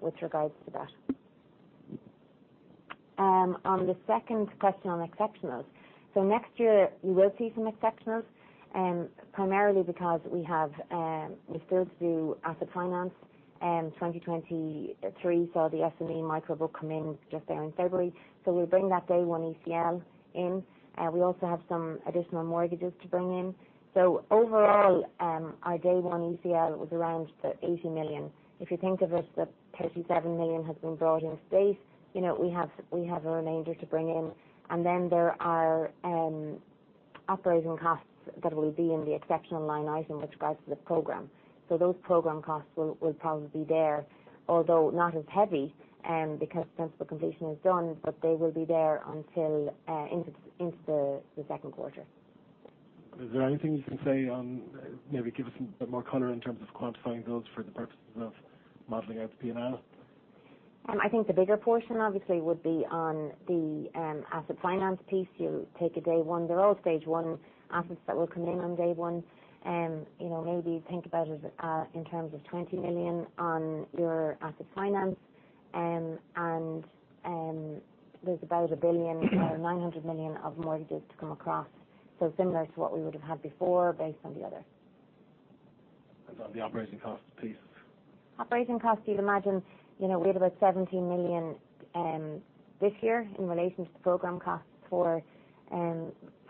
with regards to that. On the second question on exceptionals. Next year you will see some exceptionals, primarily because we have, we still do Asset Finance. 2023, saw the SME Micro book come in just there in February. We'll bring that day one ECL in. We also have some additional mortgages to bring in. Overall, our day one ECL was around 80 million. If you think of it, the 37 million has been brought in space. You know, we have a remainder to bring in. There are operating costs that will be in the exceptional line item with regards to the program. Those program costs will probably be there, although not as heavy, because principal completion is done, but they will be there until into the second quarter.
Is there anything you can say on maybe give us a bit more color in terms of quantifying those for the purposes of modeling out the P&L?
I think the bigger portion obviously would be on the Asset Finance piece. You take a day one, they're all stage one assets that will come in on day one. You know, maybe think about it as in terms of 20 million on your asset finance. And there's about 1 billion or 900 million of mortgages to come across. Similar to what we would have had before based on the other.
On the operating cost please.
Operating cost, you'd imagine, you know, we had about 17 million this year in relation to the program costs for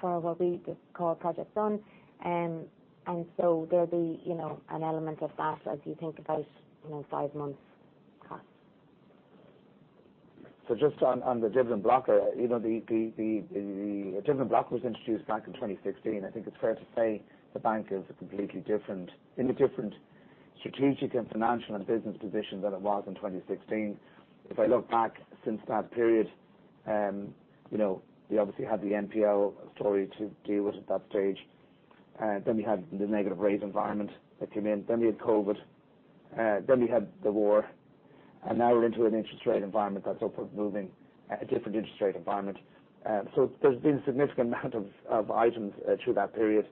what we just call Project Sun. There'll be, you know, an element of that as you think about, you know, five months costs.
Just on the dividend blocker, you know, the dividend block was introduced back in 2016. I think it's fair to say the bank is a completely different, in a different strategic and financial and business position than it was in 2016. If I look back since that period, you know, we obviously had the NPL story to deal with at that stage. Then we had the negative rate environment that came in, then we had COVID, then we had the war, now we're into an interest rate environment that's upward moving at a different interest rate environment. There's been significant amount of items through that period.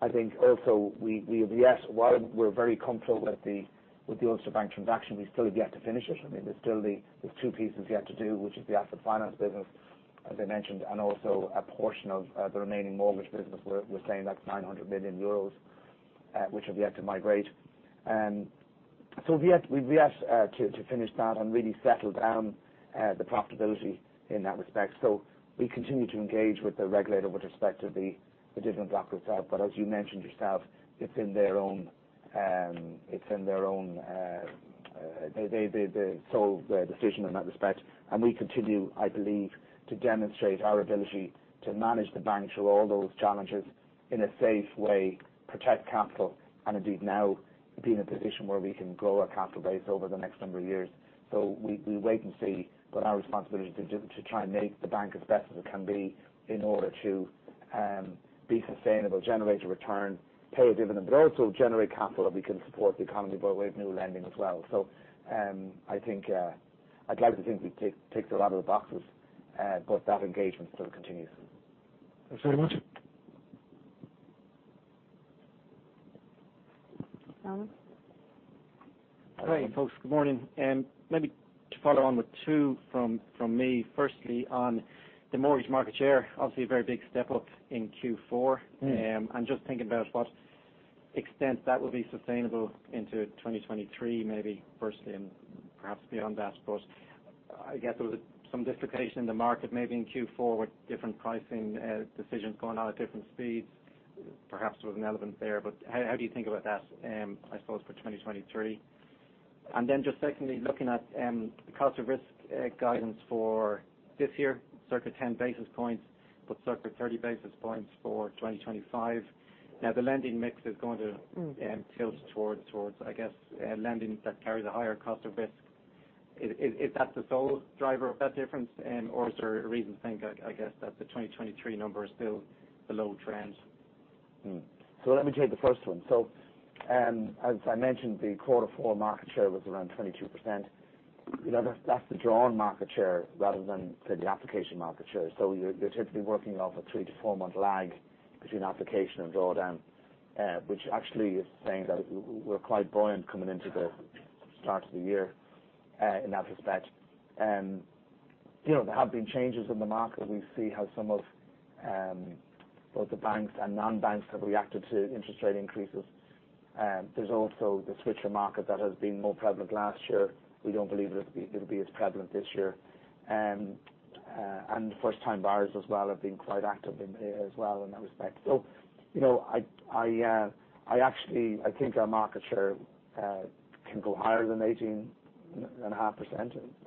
I think also we have, yes, while we're very comfortable with the Ulster Bank transaction, we still have yet to finish it. I mean, there's still the two pieces yet to do, which is the asset finance business, as I mentioned, and also a portion of the remaining mortgage business. We're saying that's 900 million euros, which have yet to migrate. We've yet to finish that and really settle down the profitability in that respect. We continue to engage with the regulator with respect to the dividend blocker itself. As you mentioned yourself, it's in their own, they sole decision in that respect. We continue, I believe, to demonstrate our ability to manage the bank through all those challenges in a safe way, protect capital, and indeed now be in a position where we can grow our capital base over the next number of years. We wait and see, but our responsibility is to try and make the bank as best as it can be in order to be sustainable, generate a return, pay a dividend, but also generate capital that we can support the economy by way of new lending as well. I think I'd like to think we tick a lot of the boxes, but that engagement still continues.
Thanks very much.
Alan.
Hi, folks. Good morning. Maybe to follow on with two from me. Firstly, on the mortgage market share, obviously a very big step up in Q4.
Mm-hmm.
I'm just thinking about what extent that will be sustainable into 2023, maybe firstly and perhaps beyond that. I guess there was some dislocation in the market, maybe in Q4 with different pricing decisions going on at different speeds. Perhaps it was an element there. How, how do you think about that, I suppose for 2023? Just secondly, looking at the cost of risk guidance for this year, circa 10 basis points, but circa 30 basis points for 2025. The lending mix is going to
Mm.
tilt towards, I guess, lending that carries a higher cost of risk. Is that the sole driver of that difference, or is there a reason to think, I guess, that the 2023 number is still below trend?
Let me take the first one. As I mentioned, the quarter four market share was around 22%. You know, that's the drawn market share rather than the application market share. You're typically working off a three- to four-month lag between application and drawdown, which actually is saying that we're quite buoyant coming into the start of the year in that respect. You know, there have been changes in the market. We see how some of both the banks and non-banks have reacted to interest rate increases. There's also the switcher market that has been more prevalent last year. We don't believe it'll be as prevalent this year. First-time buyers as well have been quite active in there as well in that respect. You know, I actually, I think our market share can go higher than 18.5%,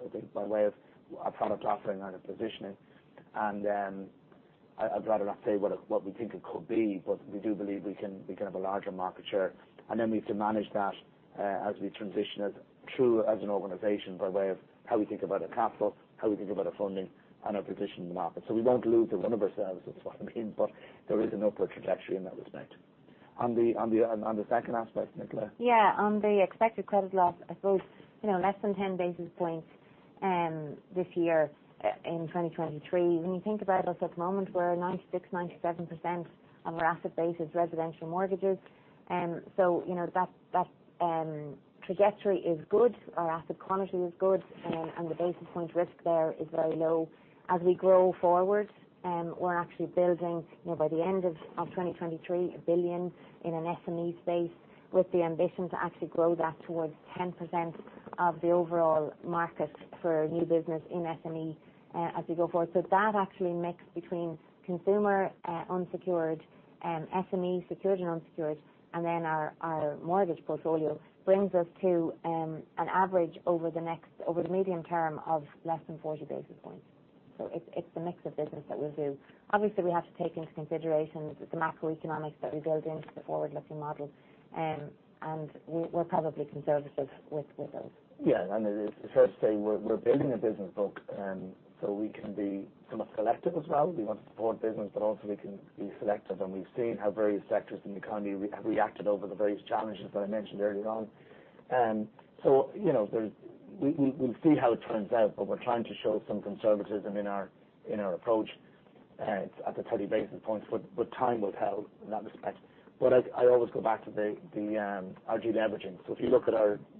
I think by way of our product offering and our positioning. I'd rather not say what we think it could be, but we do believe we can have a larger market share. Then we have to manage that as we transition it through as an organization by way of how we think about our capital, how we think about our funding and our position in the market. We won't lose the run of ourselves is what I mean, but there is an upward trajectory in that respect. On the second aspect, Nicola.
Yeah. On the expected credit loss, I suppose, you know, less than 10 basis points this year in 2023. When you think about us at the moment, we're at 96%-97% on our asset base is residential mortgages. You know, that trajectory is good. Our asset quality is good, and the basis point risk there is very low. As we grow forward, we're actually building, you know, by the end of 2023, 1 billion in an SME space with the ambition to actually grow that towards 10% of the overall market for new business in SME as we go forward. That actually mix between consumer, unsecured, SME secured and unsecured, and then our mortgage portfolio brings us to an average over the next, over the medium term of less than 40 basis points. It's a mix of business that we'll do. Obviously, we have to take into consideration the macroeconomics that we build into the forward-looking model, and we're probably conservative with those.
Yeah. It is fair to say we're building a business book, we can be somewhat selective as well. We want to support business, but also we can be selective. We've seen how various sectors in the economy have reacted over the various challenges that I mentioned earlier on. you know, we'll see how it turns out. We're trying to show some conservatism in our approach at the 30 basis points, but time will tell in that respect. I always go back to our de-leveraging. If you look at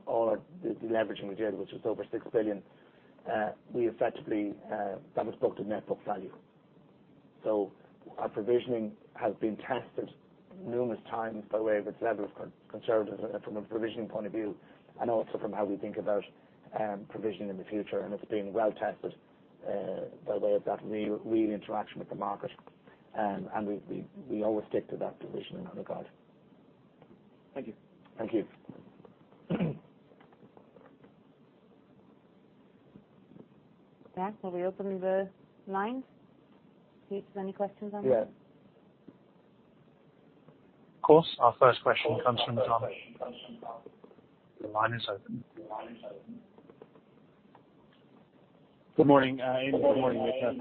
all our leveraging we did, which was over 6 billion, we effectively that was booked at net book value. Our provisioning has been tested numerous times by way of its level of conservatism from a provisioning point of view, and also from how we think about provisioning in the future. It's been well tested by way of that real interaction with the market. We always stick to that provisioning under guard.
Thank you.
Thank you.
Back. Are we opening the lines? Pete, is there any questions online?
Yeah.
Of course. Our first question comes from Dermot... Your line is open.
Good morning, Eamonn. Good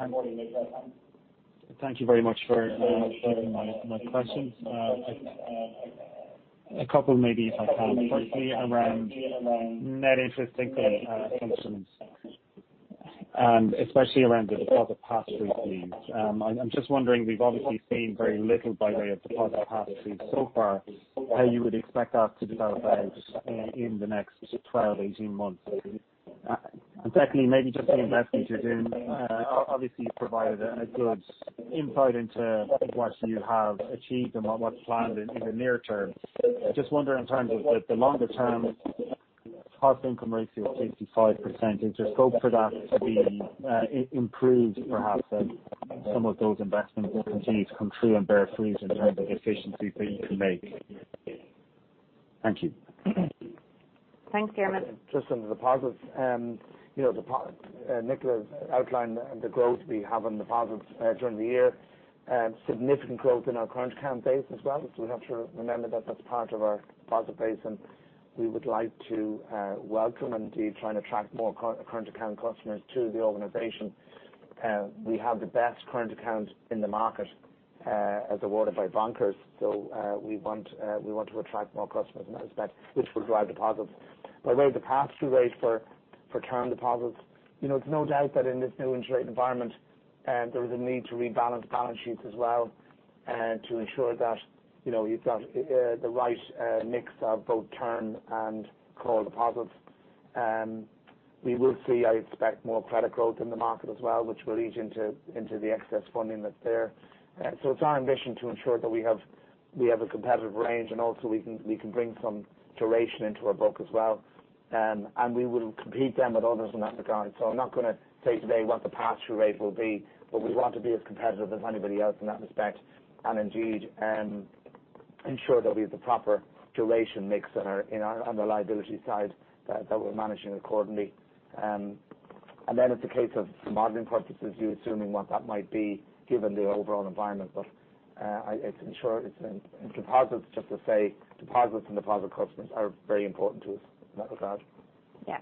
morning, Nicola. Thank you. Thank you very much for taking my questions. A couple maybe if I can. Firstly, around net interest income, and especially around the deposit pass-through fees. I'm just wondering, we've obviously seen very little by way of deposit pass-through so far, how you would expect that to develop out in the next 12 to 18 months. Secondly, maybe just the investments you're doing. Obviously you've provided a good insight into what you have achieved and what's planned in the near term. Just wondering in terms of the longer term cost-to-income ratio of 85%, is there scope for that to be improved perhaps as some of those investments continue to come through and bear fruits in terms of efficiencies that you can make. Thank you.
Thanks, Dermot.
Just on deposits. You know, Nicola's outlined the growth we have on deposits during the year. Significant growth in our current account base as well. We have to remember that that's part of our deposit base, and we would like to welcome and indeed try and attract more current account customers to the organization. We have the best current account in the market as awarded by bonkers.ie. We want to attract more customers in that respect, which will drive deposits. By the way, the pass-through rate for term deposits, you know, it's no doubt that in this new interest rate environment, there is a need to rebalance balance sheets as well to ensure that, you know, you've got the right mix of both term and core deposits. We will see, I expect, more credit growth in the market as well, which will ease into the excess funding that's there. It's our ambition to ensure that we have a competitive range and also we can bring some duration into our book as well. We will compete then with others in that regard. I'm not gonna say today what the pass-through rate will be, but we want to be as competitive as anybody else in that respect, and indeed, ensure that we have the proper duration mix on the liability side that we're managing accordingly. Then it's a case of modeling purposes, you assuming what that might be given the overall environment. It's ensure it's in deposits just to say deposits and deposit customers are very important to us in that regard.
Yeah.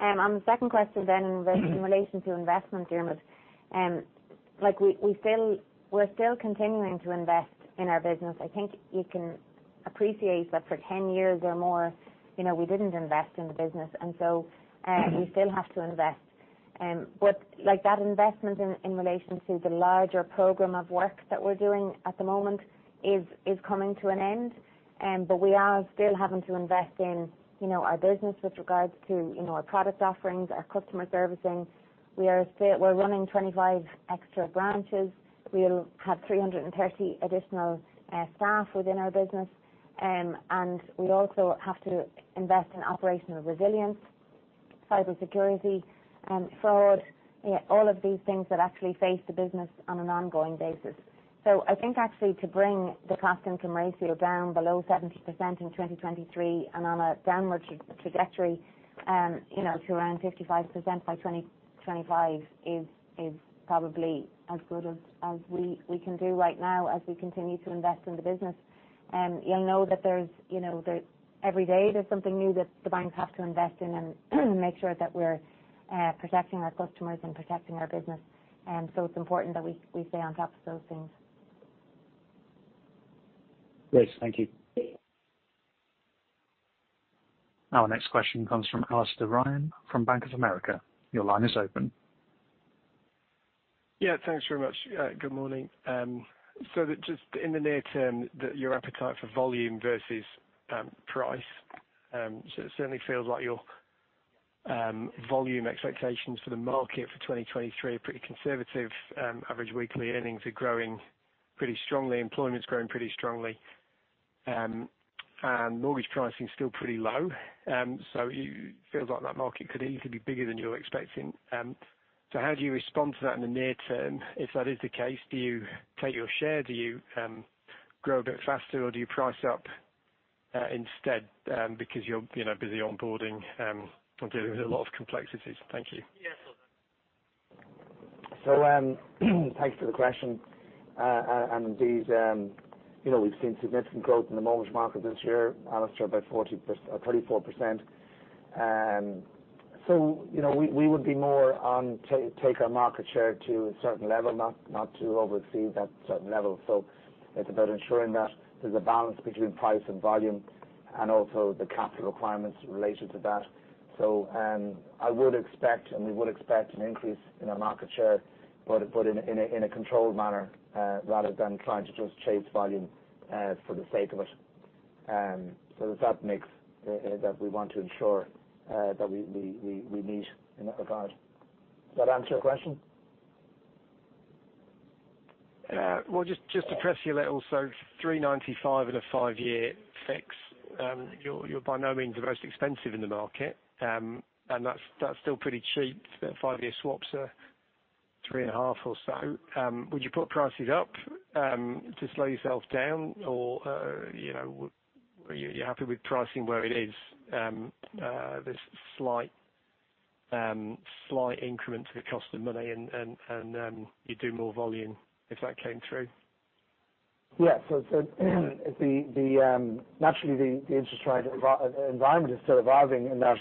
On the second question then in relation to investments, Dermot, like we're still continuing to invest in our business. I think you can appreciate that for 10 years or more, you know, we didn't invest in the business. We still have to invest. Like that investment in relation to the larger program of work that we're doing at the moment is coming to an end. We are still having to invest in, you know, our business with regards to, you know, our product offerings, our customer servicing. We're running 25 extra branches. We'll have 330 additional staff within our business. We also have to invest in operational resilience, cybersecurity, fraud, you know, all of these things that actually face the business on an ongoing basis. I think actually to bring the cost-income ratio down below 70% in 2023 and on a downward trajectory, you know, to around 55% by 2025 is probably as good as we can do right now as we continue to invest in the business. You'll know that there's, you know, every day there's something new that the banks have to invest in and make sure that we're protecting our customers and protecting our business. It's important that we stay on top of those things.
Great. Thank you.
Our next question comes from Alastair Ryan from Bank of America. Your line is open.
Yeah, thanks very much. Good morning. Just in the near term, that your appetite for volume versus price, it certainly feels like your volume expectations for the market for 2023 are pretty conservative. Average weekly earnings are growing pretty strongly, employment's growing pretty strongly, and mortgage pricing is still pretty low. It feels like that market could easily be bigger than you're expecting. How do you respond to that in the near term? If that is the case, do you take your share? Do you grow a bit faster, or do you price up instead, because you're, you know, busy onboarding or dealing with a lot of complexities? Thank you.
Thanks for the question. Indeed, you know, we've seen significant growth in the mortgage market this year, Alastair, about 34%. You know, we would be more on take our market share to a certain level, not to over exceed that certain level. It's about ensuring that there's a balance between price and volume and also the capital requirements related to that. I would expect and we would expect an increase in our market share, but in a controlled manner, rather than trying to just chase volume for the sake of it. That makes that we want to ensure that we meet in that regard. Does that answer your question?
Well, just to press you a little. 395 million in a five-year fix—you're by no means the most expensive in the market. That's still pretty cheap. The five-year swaps are 3.5 or so. Would you put prices up to slow yourself down? You know, are you happy with pricing where it is? This slight increment to the cost of money and you do more volume if that came through.
Yeah. Naturally the interest rate environment is still evolving, in that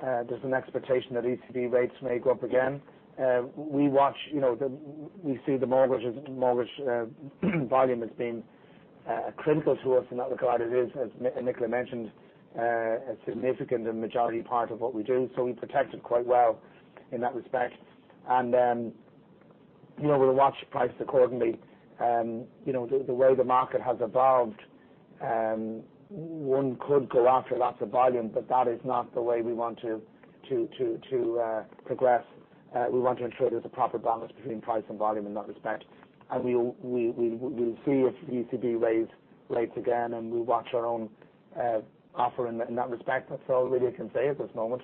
there's an expectation that ECB rates may go up again. We watch, you know, we see the mortgage volume as being critical to us and how critical it is, as Nicola mentioned, a significant and majority part of what we do, so we protect it quite well in that respect. You know, we'll watch price accordingly. You know, the way the market has evolved, one could go after lots of volume, but that is not the way we want to progress. We want to ensure there's a proper balance between price and volume in that respect. We'll see if ECB raise rates again, and we watch our own offer in that, in that respect. That's all really I can say at this moment.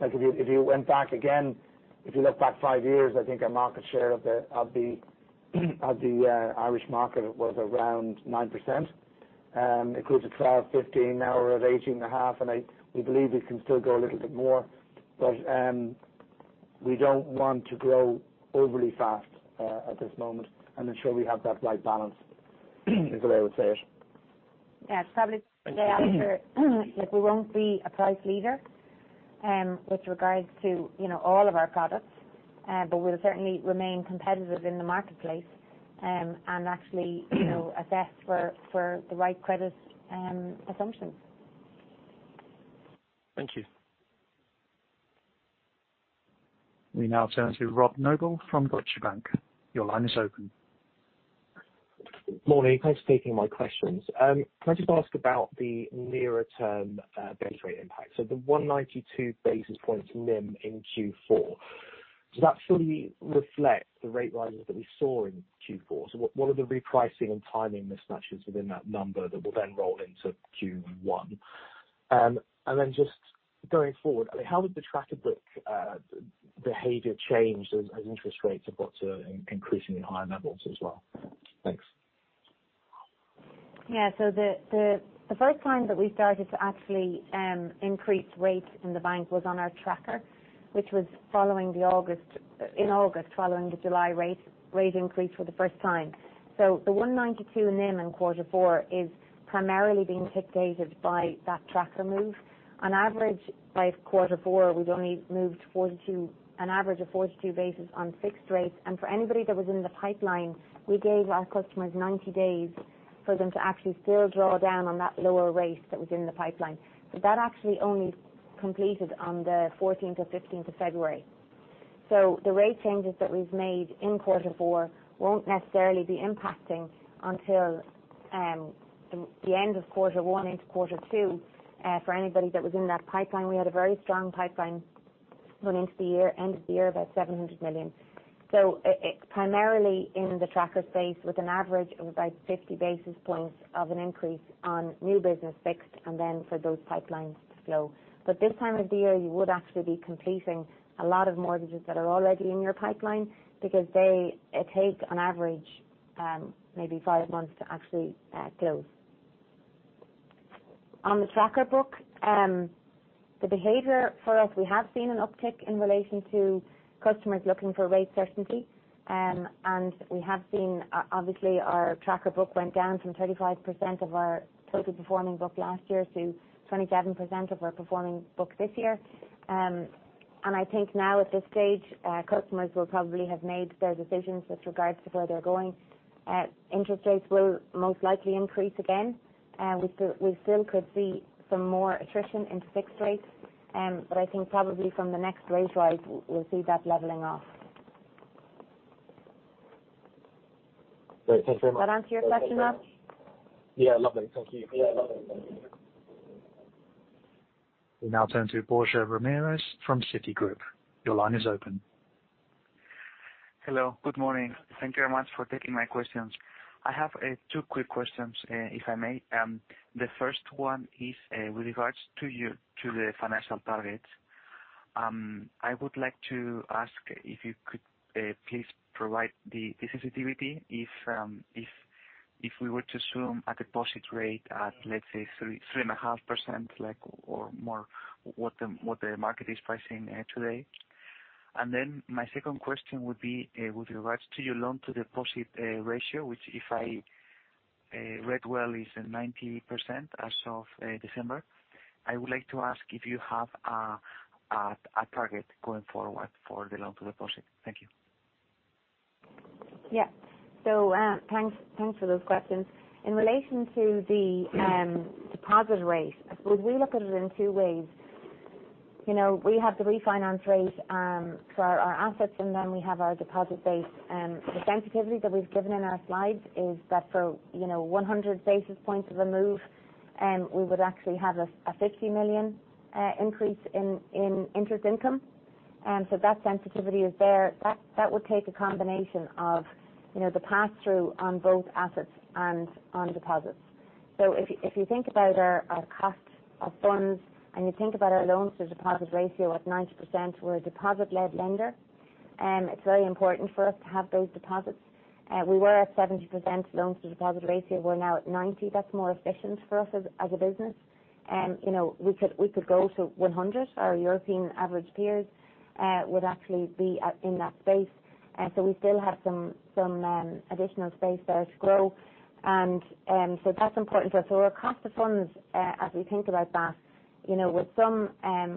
Like if you went back again, if you look back five years, I think our market share of the Irish market was around 9%. It grew to 12%, 15%, now we're at 18.5%, and we believe we can still grow a little bit more. We don't want to grow overly fast at this moment and ensure we have that right balance is the way I would say it.
Yeah. Probably like we won't be a price leader, with regards to, you know, all of our products. We'll certainly remain competitive in the marketplace, actually, you know, assess for the right credit assumptions.
Thank you.
We now turn to Robert Noble from Deutsche Bank. Your line is open.
Morning. Thanks for taking my questions. Can I just ask about the nearer term, base rate impact? The 192 basis points NIM in Q4, does that fully reflect the rate rises that we saw in Q4? What are the repricing and timing mismatches within that number that will then roll into Q1? Then just going forward, I mean, how has the tracker book behavior changed as interest rates have got to increasingly higher levels as well? Thanks.
Yeah. The, the first time that we started to actually increase rates in the bank was on our tracker, which was following the August in August, following the July rate increase for the first time. The 192 NIM in quarter four is primarily being dictated by that tracker move. On average, by quarter four, we'd only moved an average of 42 basis on fixed rates. For anybody that was in the pipeline, we gave our customers 90 days for them to actually still draw down on that lower rate that was in the pipeline. That actually only completed on the fourteenth or fifteenth of February. The rate changes that we've made in quarter four won't necessarily be impacting until the end of quarter one into quarter two for anybody that was in that pipeline. We had a very strong pipeline going into the year, end of the year, about 700 million. It's primarily in the tracker space with an average of about 50 basis points of an increase on new business fixed and then for those pipelines to flow. This time of year, you would actually be completing a lot of mortgages that are already in your pipeline because they, it takes on average, maybe five months to actually close. On the tracker book, the behavior for us, we have seen an uptick in relation to customers looking for rate certainty. We have seen, obviously, our tracker book went down from 35% of our total performing book last year to 27% of our performing book this year. I think now at this stage, customers will probably have made their decisions with regards to where they're going. Interest rates will most likely increase again. We still could see some more attrition in fixed rates, but I think probably from the next rate rise, we'll see that leveling off.
Great. Thank you very much.
Does that answer your question enough?
Yeah. Lovely. Thank you.
We now turn to Borja Ramirez from Citigroup. Your line is open.
Hello. Good morning. Thank you very much for taking my questions. I have two quick questions, if I may. The first one is with regards to your, to the financial targets. I would like to ask if you could please provide the sensitivity if we were to assume a deposit rate at, let's say, 3.5%, like, or more, what the market is pricing today. My second question would be with regards to your Loan-to-deposit ratio, which if I read well is 90% as of December. I would like to ask if you have a target going forward for the Loan-to-deposit. Thank you.
Thanks, thanks for those questions. In relation to the deposit rate, I suppose we look at it in two ways. You know, we have the refinance rate for our assets, and then we have our deposit base. The sensitivity that we've given in our slides is that for, you know, 100 basis points of a move, we would actually have a 50 million increase in interest income. That sensitivity is there. That would take a combination of, you know, the pass-through on both assets and on deposits. If you think about our cost of funds and you think about our loan-to-deposit ratio at 90%, we're a deposit-led lender. It's very important for us to have those deposits. We were at 70% Loans to Deposit Ratio, we're now at 90%. That's more efficient for us as a business. You know, we could go to 100%. Our European average peers would actually be in that space. We still have some additional space there to grow. That's important to us. Our cost of funds, as we think about that, you know with some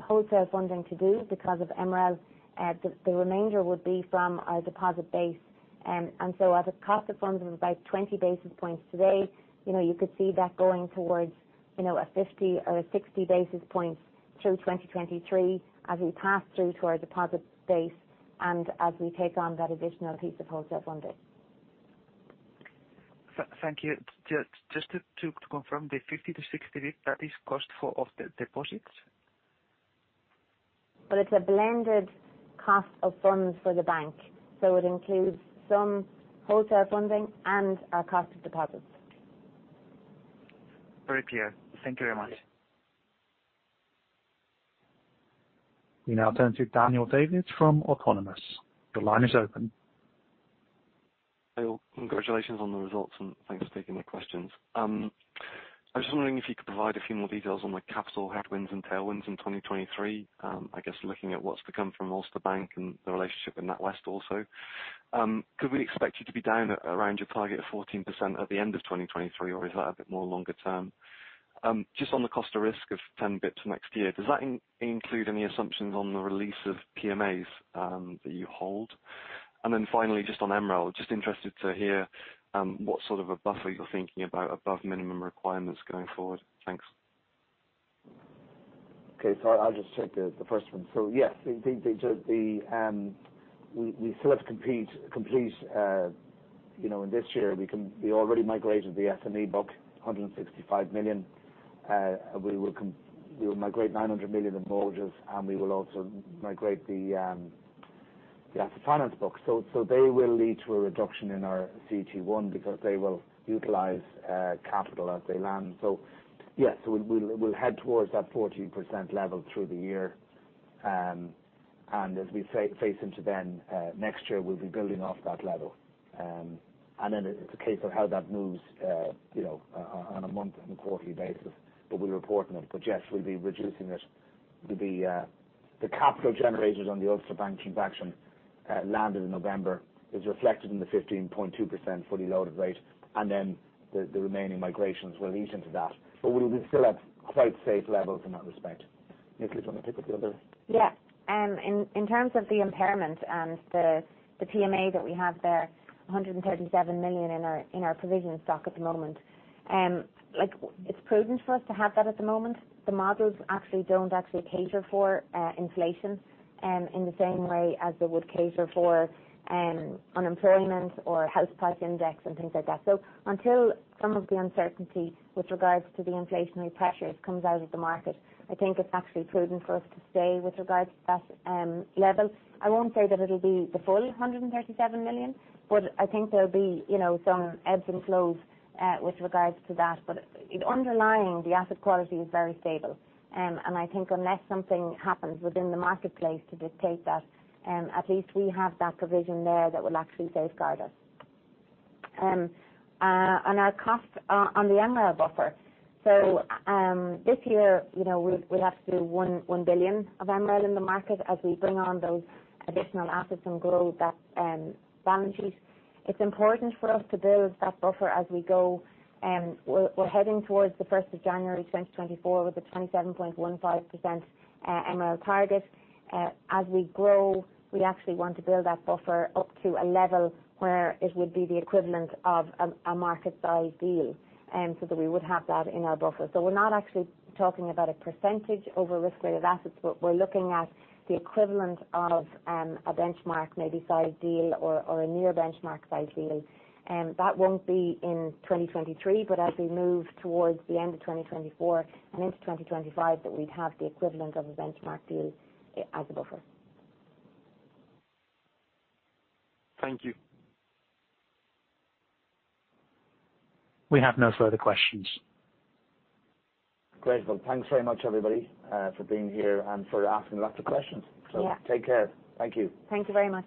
wholesale funding to do because of MREL, the remainder would be from our deposit base. At a cost of funds of about 20 basis points today, you know, you could see that going towards, you know, a 50 or a 60 basis points through 2023 as we pass through to our deposit base and as we take on that additional piece of wholesale funding.
Thank you. Just to confirm, the 50 to 60 basis cost of the deposits?
It's a blended cost of funds for the bank, so it includes some wholesale funding and our cost of deposits.
Very clear. Thank you very much.
We now turn to Daniel David from Autonomous. The line is open.
Hey all. Congratulations on the results, thanks for taking the questions. I was just wondering if you could provide a few more details on the capital headwinds and tailwinds in 2023. I guess looking at what's to come from Ulster Bank and the relationship with NatWest also. Could we expect you to be down around your target of 14% at the end of 2023, or is that a bit more longer term? Just on the cost of risk of 10 bps next year, does that include any assumptions on the release of PMAs that you hold? Finally, just on MREL, just interested to hear what sort of a buffer you're thinking about above minimum requirements going forward. Thanks.
Okay. I'll just take the first one. Yes, we still have to complete, you know, in this year. We already migrated the SME book, 165 million. We will migrate 900 million of mortgages, and we will also migrate the asset finance book. They will lead to a reduction in our CET1 because they will utilize capital as they land. Yes, we'll head towards that 14% level through the year. As we face into then next year, we'll be building off that level. It's a case of how that moves, you know, on a month and a quarterly basis, but we're reporting it. Yes, we'll be reducing it to the capital generators on the Ulster Bank transaction, landed in November, is reflected in the 15.2% fully loaded rate, and then the remaining migrations will ease into that. We'll be still at quite safe levels in that respect. Nicola, do you want to pick up the other piece?
Yeah. In terms of the impairment and the PMA that we have there, 137 million in our provisioning stock at the moment, like it's prudent for us to have that at the moment. The models don't actually cater for inflation in the same way as they would cater for unemployment or house price index and things like that. Until some of the uncertainty with regards to the inflationary pressures comes out of the market, I think it's actually prudent for us to stay with regards to that level. I won't say that it'll be the full 137 million, I think there'll be, you know, some ebbs and flows with regards to that. Underlying the asset quality is very stable. I think unless something happens within the marketplace to dictate that, at least we have that provision there that will actually safeguard us and our cost on the MREL buffer. This year, you know, we have to do 1 billion of MREL in the market as we bring on those additional assets and grow that balance sheet. It's important for us to build that buffer as we go. We're heading towards the first of January 2024 with a 27.15% MREL target. As we grow, we actually want to build that buffer up to a level where it would be the equivalent of a market size deal so that we would have that in our buffer. We're not actually talking about a percentage over risk-weighted assets, but we're looking at the equivalent of a benchmark maybe sized deal or a near benchmark sized deal. That won't be in 2023, but as we move towards the end of 2024 and into 2025, that we'd have the equivalent of a benchmark deal as a buffer.
Thank you.
We have no further questions.
Great. Well, thanks very much, everybody, for being here and for asking lots of questions.
Yeah.
Take care. Thank you.
Thank you very much.